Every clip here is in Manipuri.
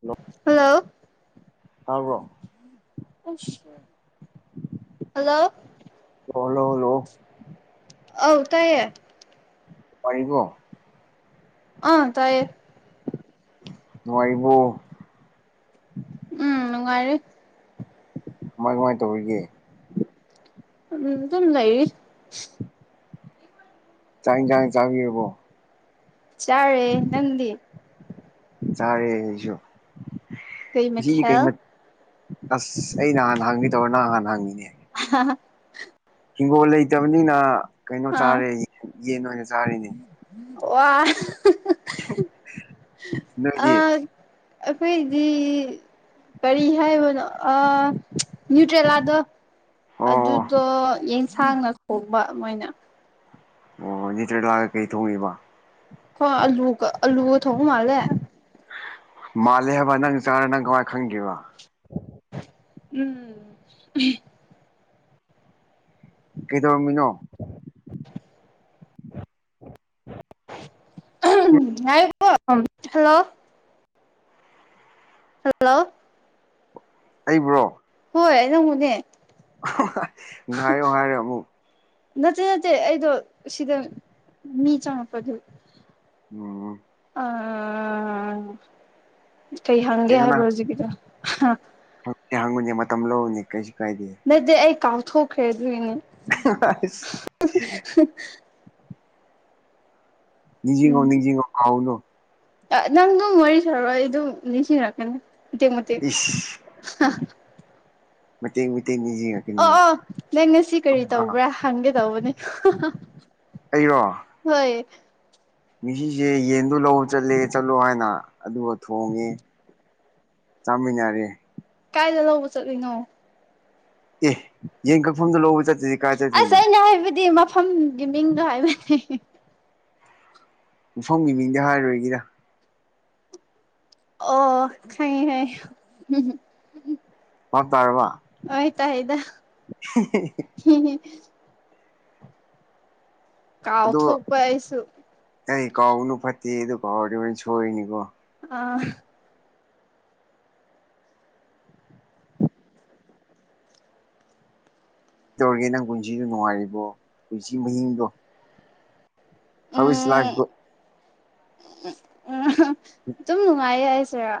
ꯍꯜꯂꯣ ꯍꯜꯂꯣ ꯇꯥꯕ꯭ꯔꯣ ꯍꯜꯂꯣ ꯍꯜꯂꯣ ꯍꯜꯂꯣ ꯍꯜꯂꯣ ꯑꯥꯎ ꯇꯦ ꯄꯔꯤꯕꯣ ꯑꯥ ꯇꯥꯏꯌꯦ ꯅꯨꯉꯥꯏ ꯔꯤ ꯕꯣ ꯎꯝ ꯅꯨꯡꯉꯥꯏꯔꯦ ꯀꯃꯥꯏ ꯀꯃꯥꯏꯅ ꯇꯧꯔꯤꯒꯦ ꯎꯝ ꯇꯝ ꯂꯩꯏ [unintelligible] ꯆꯥꯡ ꯆꯥꯡ ꯆꯥꯕꯤꯔꯕꯣ ꯆꯥꯔꯦ ꯅꯗꯤ ꯆꯥꯔꯦ ꯑꯩꯁꯨ ꯀꯩ ꯁꯤꯗꯤ ꯀꯩ ꯃꯊꯦꯜ ꯑꯁ ꯑꯩ ꯅꯍꯥꯟ ꯍꯥꯡꯉꯤ ꯇꯧꯔ ꯅꯍꯥꯟꯍꯥꯟ ꯍꯥꯡꯉꯤꯅꯦ [unintelligible] ꯍꯤꯡꯒꯣꯜ ꯂꯩꯇꯕꯅꯤꯅ ꯀꯩꯅꯣ ꯑꯥ ꯆꯥꯔꯦ ꯌꯦꯟ ꯑꯣꯏꯅ ꯆꯥꯔꯤꯅꯤ ꯋꯥ ꯑ ꯅꯣꯏꯗꯤ ꯑꯩꯈꯣꯏꯗꯤ ꯀꯔꯤ ꯍꯥꯏꯕꯅꯣ ꯅ꯭ꯌꯨꯇ꯭ꯔꯦꯂꯥꯗꯣ ꯑꯣ ꯑꯣ ꯑꯗꯨꯗꯣ ꯌꯦꯟꯁꯥꯡꯅ ꯈꯣꯡꯕ ꯃꯣꯏꯅ ꯑꯣ ꯅꯤꯇ꯭ꯔ ꯂꯥꯛꯑꯒ ꯀꯩ ꯊꯣꯡꯉꯤꯕ ꯍꯣꯏ ꯑꯜꯂꯨ ꯑꯂꯨ ꯊꯣꯡꯎ ꯃꯥꯂꯦ ꯃꯥꯜꯂꯦ ꯍꯥꯏꯕ ꯅꯪ ꯆꯥꯔ ꯅꯪ ꯀꯃꯋꯥꯥꯏ ꯈꯪꯒꯦꯕ ꯎꯝ ꯀꯗꯧꯃꯤꯉꯣ ꯍꯥꯏꯔꯤꯕ ꯍꯜꯂꯣ ꯍꯜꯂꯣ ꯑꯩꯕ꯭ꯔꯣ ꯍꯣꯏ ꯅꯡ ꯕꯨ ꯅꯦ ꯉꯥꯏꯌꯣ ꯍꯥꯏꯔꯣ ꯑꯃꯨꯛ ꯅꯠꯇꯦ ꯅꯠꯇꯦ ꯑꯩꯗꯣ ꯁꯤꯗ ꯃꯤ ꯆꯪꯉꯛꯄꯗꯨ ꯎꯝ ꯑ ꯀꯩ ꯍꯪꯦ ꯍꯥꯏꯕ꯭ꯔꯣꯖꯤ ꯀꯗ ꯍꯪ ꯍꯪꯅꯤ ꯃꯇꯝꯝ ꯂ ꯂꯧꯅꯤꯅꯦ ꯀꯩꯁꯤ ꯀꯥꯏꯗꯦ ꯅꯠꯇꯦ ꯑꯩ ꯀꯥꯎꯊꯣꯛꯈ꯭ꯔꯦꯗꯣꯏꯏꯅꯦ ꯑ [unintelligible] ꯅꯤꯡꯖꯦꯒꯣ ꯎꯝ ꯅꯤꯡꯖꯦꯒꯣ ꯍꯥꯎꯅꯣ ꯅꯪ ꯑꯗꯨꯝ ꯋꯥꯔꯤ ꯁꯥꯔꯑꯣ ꯑꯩ ꯑꯗꯨꯝ ꯅꯤꯡꯁꯤꯡꯔꯛꯀꯅꯤ ꯃꯇꯦꯛ ꯃꯇꯦꯛ ꯏꯁ ꯃꯇꯦꯡ ꯃꯤ ꯃꯇꯇꯦꯡ ꯑꯣ ꯑꯣ ꯅꯪ ꯉꯁꯤ ꯀꯔꯤ ꯇꯧꯕ꯭ꯔꯥ ꯍꯪꯒꯦ ꯇꯧꯕꯅꯦ ꯑꯩꯔꯣ ꯍꯣꯏ ꯃꯤꯁꯤꯁꯦ ꯌꯦꯟꯗꯣ ꯂ ꯆꯠꯂꯦ ꯆꯠꯂꯣ ꯍꯥꯏꯅ ꯑꯗꯨꯒ ꯊꯣꯡꯉꯦ ꯆꯥꯃꯤꯟꯅꯔꯦ ꯀꯥꯏꯗ ꯂꯧꯕ ꯆꯠꯂꯤꯅꯣ ꯑꯦ ꯌꯦꯟ ꯀꯛꯐꯝꯗ ꯂꯧꯕ ꯆꯠꯇꯗꯤ ꯑꯁ ꯑꯩꯅ ꯍꯥꯏꯕꯗꯤ ꯃꯐꯝꯒꯤ ꯃꯤꯡꯗꯣ ꯍꯥꯏꯕꯗꯤ ꯃꯐꯝꯒꯤ ꯃꯤꯡꯗꯤ ꯍꯥꯏꯔꯨꯔꯣꯏꯒꯤꯔ ꯑꯣ ꯈꯩ ꯍꯥꯏ ꯃ ꯇꯥꯔ ꯋꯥ ꯑꯣꯏ ꯇ ꯍꯥꯏꯗ ꯀꯥꯎꯊꯣꯛꯄ ꯍꯥꯏꯁꯨ ꯑꯩꯩ ꯀꯥꯎꯅ ꯐꯠꯇꯦ ꯑꯗꯨ ꯀꯥꯎꯔꯦ ꯑꯣꯏꯅ ꯁꯣꯏꯏꯅꯤꯀꯣ ꯑ ꯀ ꯇꯧꯔꯒꯦ ꯅꯪ ꯄꯨꯟꯁꯤꯗꯣ ꯅꯨꯡꯉꯥꯏꯔꯤꯕꯣ ꯄꯨꯟꯁꯤ ꯃꯍꯤꯡꯗꯣ ꯍꯧꯕꯤꯤꯁ ꯎꯝ ꯂꯥꯛꯈꯕꯨꯣ ꯎꯝ ꯑꯗꯨꯝ ꯅꯨꯡꯉꯥꯏ ꯍꯥꯏꯁꯤꯦꯔꯥ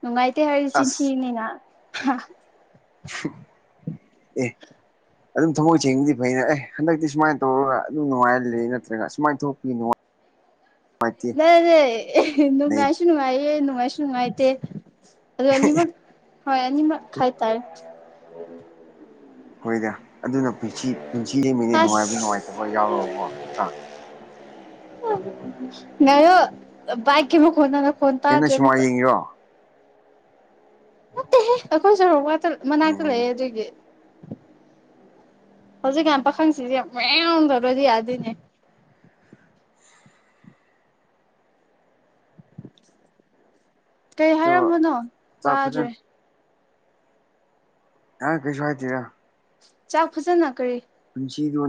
ꯅꯨꯡꯉꯥꯏꯇꯦ ꯍꯥꯏꯗꯤ ꯑꯁ ꯆꯤꯟꯁꯤꯅꯤꯅ ꯑꯦ ꯑꯗꯨꯝ ꯊꯃꯣꯏ ꯁꯦꯡꯕꯗꯤ ꯐꯩꯅ ꯑꯦ ꯍꯟꯗꯛꯇꯤ ꯁꯨꯃꯥꯏꯅ ꯇꯧꯔꯒ ꯑꯗꯨꯝꯅꯨꯡꯉꯍꯔ ꯂꯩꯦ ꯅꯠꯇ꯭ꯔꯒ ꯁꯨꯃꯥꯏꯅ ꯊꯣꯛꯄꯤꯉꯥꯏ ꯅꯗꯦ ꯂꯩ ꯉꯁꯅꯨꯡ ꯉꯥꯏꯌꯦꯦ ꯏ ꯅꯥꯏꯁꯅꯨꯡꯉꯥꯏꯇꯦ ꯑꯗꯨꯅꯤꯃꯒ ꯍꯣꯏ ꯑꯅꯤꯃꯒ ꯈꯥꯏꯇꯥꯥꯔꯦ ꯍꯣꯏꯗ ꯑꯗꯨꯅ ꯄꯨ ꯄꯨꯟꯁꯤ ꯂꯩꯃꯤꯅꯦ ꯅꯨꯡꯉꯥꯏꯕ ꯑꯁ ꯅꯨꯡꯉꯥꯏꯇꯕ ꯌꯥꯎꯔꯕꯣ ꯅꯠꯇ꯭ꯔꯥ ꯉꯔꯣ ꯥꯏꯀꯤꯃ ꯀꯣꯟꯅꯅ ꯀꯩꯅꯣ ꯁꯨꯃꯥꯏ ꯌꯦꯡꯉꯤꯔꯣ ꯅꯠꯇꯍꯦ ꯑꯩꯈꯣꯏꯁꯨꯔ ꯋꯥꯇ ꯃꯅꯥꯛꯇ ꯂꯩꯦ ꯎꯝ ꯑꯗꯨꯒꯤ ꯍꯧꯖꯤꯛ ꯌꯥꯝꯥꯟ ꯄꯥꯈꯪꯁꯤꯗꯤ ꯌꯥꯝ ꯃꯌꯥꯝꯗꯔꯗꯤ ꯌꯥꯗꯣꯏꯅꯦ ꯀꯩ ꯆꯣ ꯍꯥꯏꯔꯝꯕꯅꯣ ꯆꯥꯛ ꯐꯖꯅ ꯇꯥꯗ꯭ꯔꯦ ꯑ ꯀꯩꯁꯨ ꯍꯥꯏꯇꯔ ꯆꯥꯛ ꯐꯖꯅ ꯀꯔꯤ ꯄꯨꯟꯁꯤꯗ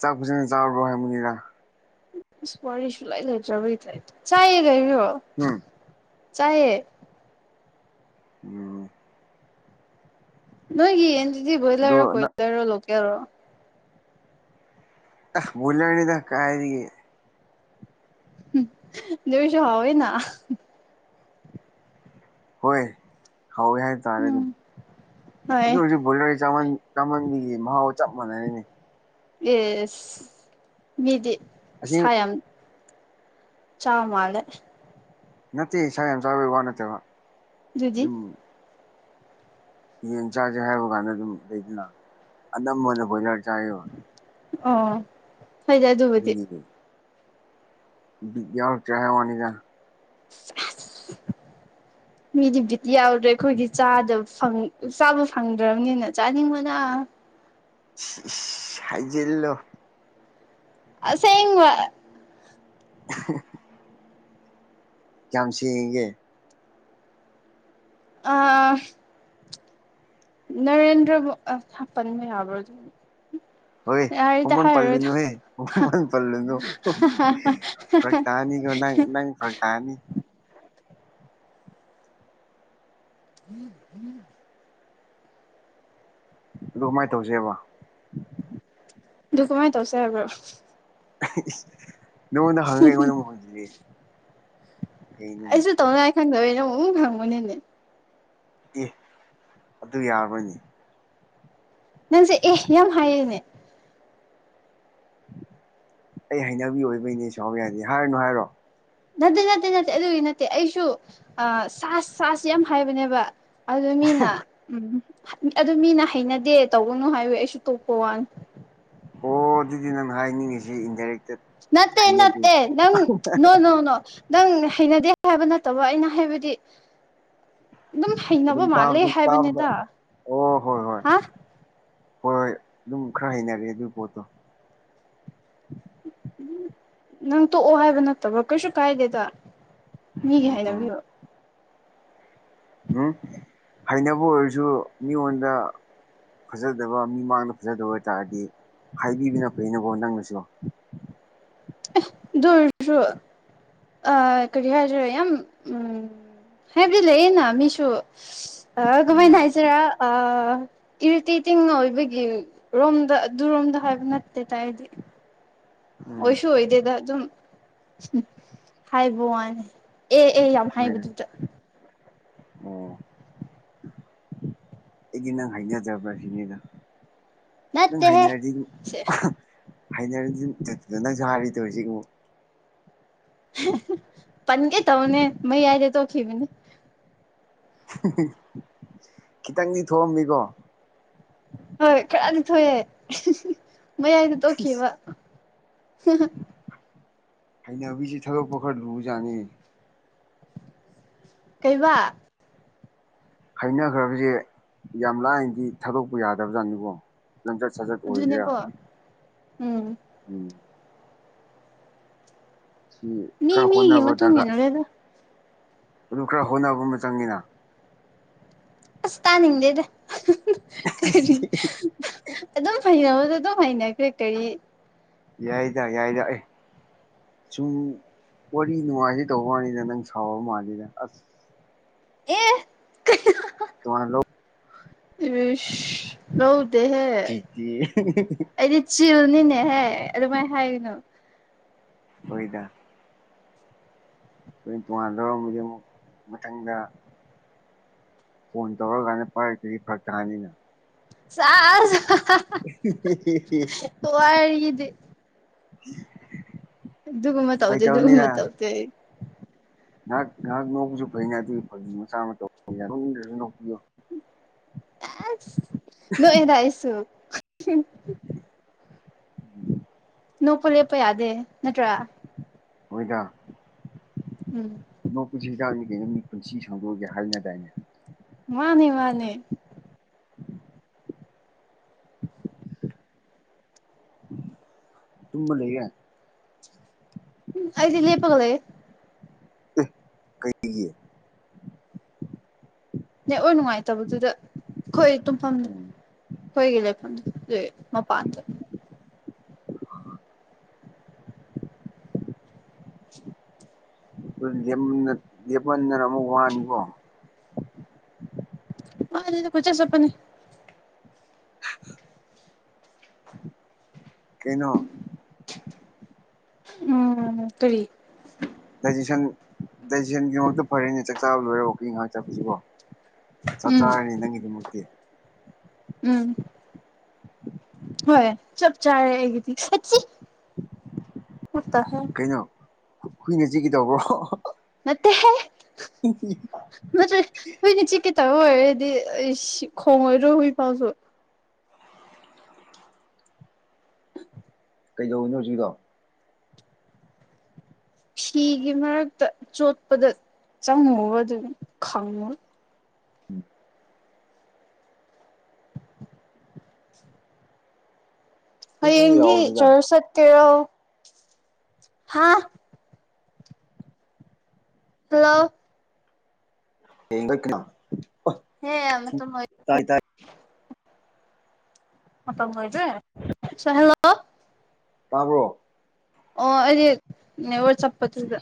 ꯆꯥꯛ ꯐꯖꯅ ꯆꯥꯔꯕ꯭ꯔꯣ ꯍꯥꯏꯕꯅꯤꯔ ꯏꯁ ꯋꯥꯔꯤꯔꯤꯁꯨ ꯂꯩ ꯂꯩꯗ꯭ꯔ ꯆꯥꯈꯕꯤꯣ ꯎꯝ ꯆꯥꯏꯦ ꯎꯝ ꯅꯣꯏ ꯌꯦꯟꯤꯗꯤ ꯑꯗꯣ ꯕꯣꯏꯂꯔꯣ ꯄꯣꯏꯂꯔꯣ ꯂꯣꯀꯦꯜ ꯔꯣ ꯑ ꯃꯂꯌꯥꯅꯤꯗ ꯀꯥꯥꯏꯔꯤꯒꯤꯦ ꯁꯨ ꯍꯣꯏꯅ ꯍꯣꯏ ꯍꯥꯎꯋꯦ ꯍꯥꯏꯇꯥꯔꯦ ꯑꯗꯨꯝ ꯎꯝ ꯑꯗꯨ ꯍꯣꯏ ꯍꯧꯖꯤꯛ ꯣ ꯆꯥꯃꯟ ꯆꯃꯟꯕꯤꯒꯤ ꯃꯍꯥꯎ ꯆꯞ ꯃꯥꯟꯅꯔꯤꯅꯤ ꯑꯦ ꯃꯤꯗꯤ ꯑꯁꯤ ꯁꯥꯏꯝ ꯆꯃꯜ ꯅꯠꯇꯦ ꯏꯁꯥ ꯌꯥꯝ ꯆꯥꯕꯩꯒꯤ ꯋꯥ ꯅꯠꯇꯦꯕ ꯑꯗꯨꯗꯤ ꯑꯗꯨꯝ ꯌꯦꯟ ꯆꯥꯥꯁꯦ ꯍꯥꯏꯕ ꯀꯥꯟꯗ ꯑꯗꯨꯝ ꯂꯩꯗꯅ ꯑꯅꯝꯕꯅ ꯕꯣꯏꯂꯔ ꯆꯥꯏꯌꯦꯕ ꯑꯣ ꯐꯣꯏꯗꯤ ꯑꯗꯨꯕꯨꯗꯤ ꯕꯤꯒꯌꯥꯜ ꯆ꯭ꯔ ꯋꯥꯅꯤꯗ ꯑꯁ [inaudible] ꯃꯤꯗꯤ ꯕꯤꯠ ꯌꯥꯎꯗ꯭ꯔꯦ ꯑꯩꯈꯣꯏꯒꯤ ꯆꯥꯗ ꯆꯥꯕ ꯐꯪꯗ꯭ꯔꯕꯅꯤꯅ ꯆꯥꯅꯤꯡꯕꯅ ꯍꯥꯏꯖꯤꯜꯂꯣ ꯑꯁꯦꯡꯉꯕꯥ [inaudible] ꯀꯌꯥꯝ ꯁꯦꯉꯤꯒꯦ ꯑ ꯅꯔꯦꯟꯗ꯭ꯔ ꯃꯄꯟ ꯌꯥꯎꯕ ꯍꯣꯏ ꯍꯨꯃꯣꯟ ꯄꯜꯂꯤꯅ ꯍꯦ ꯍꯨꯃ ꯄꯜꯂꯅ ꯐ꯭ꯔꯒꯇꯥꯅꯤ ꯀꯣ ꯅꯪ ꯅꯪ ꯐ꯭ꯔꯒꯇꯅꯤ ꯎꯝ ꯎꯝ ꯑꯗꯨ ꯀꯃꯥꯏꯅ ꯇꯧꯁꯦꯕ ꯗꯨ ꯀꯃꯥꯏ ꯇꯧꯁꯦꯕ꯭ꯔ ꯅꯪꯉꯣꯟꯗ ꯍꯪꯉꯒ ꯑꯩꯉꯣꯟꯗ ꯑꯃꯨꯛ ꯍꯪꯖꯤꯜꯂꯤ ꯀꯩꯅꯣꯅꯦ ꯑꯩꯁꯨ ꯇꯧꯅꯤꯡꯉꯥꯏ ꯈꯪꯗꯕꯅꯤꯅ ꯑꯃꯨꯛ ꯈꯪꯕꯅꯤꯅꯦ ꯑꯦ ꯑꯗꯨ ꯌꯥꯕ꯭ꯔꯅꯦ ꯅꯪꯁꯦ ꯑꯦ ꯌꯥꯝ ꯍꯥꯏꯌꯦꯅꯦ ꯑꯩ ꯍꯩꯅꯕꯤ ꯑꯣꯏꯕꯩꯅꯦ ꯁꯕ ꯌꯥꯅꯤ ꯍꯥꯏꯔꯤꯅꯨ ꯍꯥꯏꯔꯣ ꯅꯠꯇꯦ ꯅꯠꯇꯦ ꯅꯠꯇꯦ ꯑꯗꯨꯒꯤ ꯅꯠꯇꯦ ꯑꯩꯁꯨ ꯑ ꯁꯥ ꯁꯥꯁꯨ ꯌꯥꯝ ꯍꯥꯏꯕꯅꯦꯕ ꯑꯗꯨ ꯃꯤꯅ ꯎꯝ ꯑꯗꯨ ꯃꯤꯅ ꯍꯩꯅꯗꯦ ꯇꯧꯕꯅꯨ ꯍꯥꯏꯋꯨ ꯑꯩꯁꯨ ꯇꯣꯛꯄ ꯋꯥꯅꯤ ꯑꯣ ꯑꯗꯨꯗꯤ ꯅꯪ ꯍꯥꯏꯅꯤꯡꯉꯤꯁꯤ ꯏꯟꯗꯥꯏꯔꯦꯛꯇꯦꯠ ꯅꯠꯇꯦ ꯅꯠꯇꯦ ꯅꯪ ꯅꯣ ꯅꯣꯅꯣ ꯅꯪ ꯍꯩꯅꯗꯦ ꯍꯥꯏꯕ ꯅꯠꯇꯕ ꯑꯩꯅ ꯍꯥꯏꯕꯗꯤ ꯑꯗꯨꯝ ꯍꯩꯅꯕ ꯃꯥꯜꯂꯦ ꯇꯥꯕꯗ ꯇꯥꯕꯗ ꯍꯥꯏꯕꯅꯤꯗ ꯑꯣ ꯍꯣꯏ ꯍꯣꯏ ꯍꯥ ꯍꯣꯏ ꯍꯣꯏ ꯑꯗꯨꯝ ꯈꯔ ꯍꯩꯅꯔꯑꯦ ꯑꯗꯨꯒꯤ ꯄꯣꯠꯇꯣ ꯎꯝ ꯎ ꯅꯪ ꯇꯣꯛꯑꯣ ꯍꯥꯏꯕ ꯅꯠꯇꯕꯣ ꯀꯩꯁꯨ ꯀꯥꯏꯗꯦꯗ ꯃꯤꯒꯤ ꯎꯝ ꯍꯥꯏꯅꯕꯤꯕ ꯎꯝ ꯍꯩꯅꯕ ꯑꯣꯏꯔꯁꯨ ꯃꯤꯉꯣꯟꯗ ꯐꯖꯗꯕ ꯃꯤ ꯃꯥꯡꯗ ꯐꯖꯗꯕ ꯑꯣꯏꯇꯥꯔꯗꯤ ꯍꯥꯏꯕꯤꯕꯅ ꯐꯅꯀꯣ ꯅꯪꯅꯁꯨ ꯑꯗꯨ ꯑꯣꯏꯔꯁꯨ ꯑ ꯀꯔꯤ ꯍꯥꯏꯗꯔꯦ ꯌꯥꯝ ꯎ ꯍꯦꯕꯂ ꯌꯦꯅ ꯃꯤꯁꯨꯨ ꯑ ꯀꯃꯥꯏꯅ ꯎꯝ ꯍꯥꯏꯥꯏꯁꯤꯔꯥ ꯏꯔꯤꯇꯤ ꯇꯤꯡꯅ ꯑꯣꯏꯕꯒꯤ ꯔꯣꯝꯗ ꯑꯗꯨꯔꯣꯝꯗ ꯍꯥꯏꯕ ꯅꯠꯇꯦ ꯇꯥꯏꯗꯤ ꯎꯝ ꯑꯣꯏꯁꯨ ꯑꯣꯏꯗꯦꯗ ꯑꯗꯨꯝ ꯍꯥꯏꯕ ꯋꯥꯅꯤ ꯑꯦ ꯑꯦ ꯌꯥꯝ ꯃꯣꯏꯗ ꯍꯥꯏꯕꯗꯨꯗ ꯑꯣ ꯑꯩꯗꯤ ꯅꯪ ꯍꯥꯏꯅꯖꯕ꯭ꯔꯥ ꯁꯤꯅꯦꯗ ꯅꯪ ꯅꯠꯇꯦꯍꯦ ꯍꯩꯅꯔꯗꯤ ꯑꯗꯨꯝ ꯁꯦ ꯍꯩꯅꯔꯗꯤ ꯑꯗꯨꯝ ꯅꯪꯁꯨ ꯍꯥꯏꯔꯤ ꯇꯧꯔꯤꯁꯤꯒ ꯄꯟꯒꯦ ꯇꯧꯅꯦ ꯃꯌꯥꯏꯗ ꯇꯣꯛꯈꯤꯕꯅꯦ ꯈꯤꯇꯪꯗꯤ ꯊꯣꯛꯑꯝꯃꯤꯀꯣ ꯍꯣꯏ ꯈꯔꯗꯤ ꯊꯣꯛꯑꯦ ꯃꯌꯥꯏꯗ ꯇꯣꯛꯈꯤꯕ ꯍꯩꯅꯕꯤꯁ ꯊꯥꯗꯛꯄ ꯈꯔ ꯂꯨꯕꯖꯠꯅꯤ ꯀꯩꯕꯥ ꯍꯥꯏꯅꯈ꯭ꯔꯕꯁꯦ ꯌꯥꯝ ꯂꯥꯏꯅꯗꯤ ꯊꯥꯗꯣꯛꯄ ꯌꯥꯗꯕꯖꯥꯠꯅꯤꯀꯣ ꯂꯝꯆꯠ ꯁꯥꯖꯠ ꯑꯣꯏꯒꯦꯔꯥ ꯑꯗꯨꯅꯦꯀꯣ ꯎꯝ ꯎꯝ ꯁꯤ ꯃꯤ ꯈꯔ ꯃꯤꯒꯤ ꯍꯣꯠꯅꯕ ꯃꯇꯨꯡ ꯗꯔꯀ ꯏꯟꯅꯔꯦꯗ ꯑꯗꯨꯝ ꯈꯔ ꯍꯣꯠꯅꯕ ꯑꯃ ꯆꯪꯉꯤꯅ ꯑꯁ ꯇꯅꯤꯡꯗꯦꯗ ꯀꯔꯤ ꯑꯗꯨꯝ ꯍꯅꯕꯗ ꯑꯗꯨꯝ ꯍꯩꯅꯈ꯭ꯔꯦ ꯀꯔꯤ ꯌꯥꯏꯗ ꯌꯥꯏꯗ ꯁꯨꯝ ꯋꯥꯔꯤ ꯅꯨꯡꯉꯥꯏꯁꯤ ꯇꯧꯕ ꯃꯥꯜꯂꯤꯗ ꯅꯪ ꯁꯥꯎꯕ ꯃꯥꯜꯂꯤꯗ ꯑꯁ ꯑꯦ [unintelligible] ꯂꯧꯎꯗꯍꯦ ꯆꯤꯆꯦ ꯑꯩꯗꯤ ꯆꯤꯜꯅꯤꯅꯦꯍꯦ ꯑꯗꯨꯃꯥꯏꯅ ꯍꯥꯏꯔꯤꯅꯣ ꯑꯣꯏꯣꯏꯗ ꯑꯩꯈꯣꯏ ꯇꯣꯉꯥꯟꯅ ꯂꯧꯔꯝꯝꯕꯗꯤ ꯑꯃꯨꯛ ꯃꯊꯪꯗ ꯐꯣꯟ ꯇꯧꯔꯀꯥꯟꯗ ꯄꯥꯏꯔꯛꯇꯗꯤ ꯐꯔꯛ ꯇꯥꯅꯤꯅ [unintelligible] [unintelligible] ꯍꯋꯥ ꯏꯗꯤ [unintelligible] ꯗꯨꯒꯃ ꯐꯥꯒꯤ ꯇꯗꯦ ꯗꯨꯒꯃ ꯇꯧꯗꯦ ꯉꯍꯥꯛ ꯉꯥꯏꯍꯥꯛ ꯅꯧꯕꯁꯨ ꯐꯩꯅꯦ ꯑꯗꯨꯒꯤ ꯐ ꯃꯆꯥ ꯑꯃꯧ ꯌꯥꯔꯣꯛꯅꯤꯡꯗ꯭ꯔꯁꯨ ꯅꯣꯛꯄꯤꯌꯣ ꯅꯣꯏꯣꯏꯗꯁꯨ ꯅꯣꯛꯄ ꯂꯦꯞꯄ ꯌꯥꯗꯦ ꯅꯠꯇ꯭ꯔꯥ ꯍꯣꯏꯗ ꯎꯝ ꯅꯣꯛꯄꯁꯤ ꯍꯤꯗꯥꯛꯂꯤ ꯀꯩꯅꯣ ꯃꯤ ꯄꯨꯟꯁꯤ ꯁꯥꯡꯗꯣꯛꯑꯒ ꯍꯥꯏꯅꯗꯥꯏꯅꯦ ꯃꯥꯅꯦ ꯃꯥꯅꯦ [inaudible] ꯇꯨꯝꯃ ꯂꯩꯌꯦ ꯎ ꯑꯩꯗꯤ ꯂꯦꯄꯒ ꯂꯩ ꯑꯦ ꯀꯩꯒꯤ ꯅ ꯑꯣꯏ ꯅꯨꯡꯉꯥꯏꯇꯕꯗꯨꯗ ꯑꯩꯈꯣꯏ ꯇꯨꯝꯐꯝꯗ ꯍꯣꯏꯒ ꯂꯩꯐꯝ ꯑꯦ ꯃꯄꯥꯟꯗ ꯑꯗꯨ ꯂꯦꯞꯃꯟꯅꯗꯅ ꯑꯃꯨꯛ ꯋꯥꯅꯤꯀꯣ ꯑꯗꯦꯗ ꯀꯣꯏꯆꯠ ꯆꯠꯄꯅꯤ ꯀꯩꯅꯣ ꯎꯝ ꯀꯔꯤ ꯗꯥꯏꯖꯦꯁꯟ ꯗꯥꯏꯖꯦꯁꯟꯒꯤꯗꯃꯛꯇ ꯐꯔꯦꯅꯦ ꯆꯥꯛ ꯆꯥꯕ ꯂꯣꯏꯔꯦ ꯑꯣꯀꯤ ꯉꯥꯏꯍꯥꯛ ꯆꯠꯄꯁꯤꯀꯣ ꯆꯞ ꯆ ꯎꯝ ꯍꯥꯏꯅꯤ ꯅꯪꯒꯤꯗꯃꯛꯇꯤ ꯎꯝ [inaudible] ꯍꯣꯏ ꯆꯞ ꯆꯥꯔꯦ ꯑꯩꯒꯤꯗꯤ ꯎꯝ ꯇꯥꯏ ꯀꯩꯅꯣ ꯍꯨꯏꯅꯁꯤꯒꯗꯧꯕ꯭ꯔꯣ ꯅꯇꯦꯍꯦ [unintelligible] ꯅꯠꯇ꯭ꯔꯦ ꯍꯣꯏꯅ ꯆꯤꯀꯩ ꯇꯥꯕ ꯑꯣꯏꯔꯗꯤ ꯑꯩ ꯈꯣꯡꯉꯣꯏꯔꯣ ꯍꯣꯏ ꯄꯥꯎꯁꯨ ꯀꯩꯗꯧꯏꯅꯣ ꯍꯧꯖꯤꯛꯗꯣ ꯐꯤꯒꯤ ꯃꯔꯛꯇ ꯆꯣꯠꯄꯗ ꯆꯪꯉꯨꯕ ꯑꯗꯨꯝ ꯈꯪꯉꯨ ꯎꯝ ꯏꯪ ꯏꯪ ꯍꯌꯦꯡꯗꯤ ꯂꯥꯎꯕꯗꯨꯗ ꯆꯔꯁ ꯆꯠꯀꯦꯔꯣ ꯍꯥꯥ ꯍꯜꯂꯣ ꯌꯦꯡꯗ ꯀꯅꯣ ꯍꯦ ꯑꯃ ꯃ ꯇꯥꯏ ꯇꯥꯏ ꯄꯣꯏꯗ꯭ꯔꯦ ꯍꯜꯂꯣ ꯇꯥꯕ꯭ꯔꯣ ꯑꯣ ꯑꯗꯨꯗꯔ ꯆꯄꯇꯨꯗ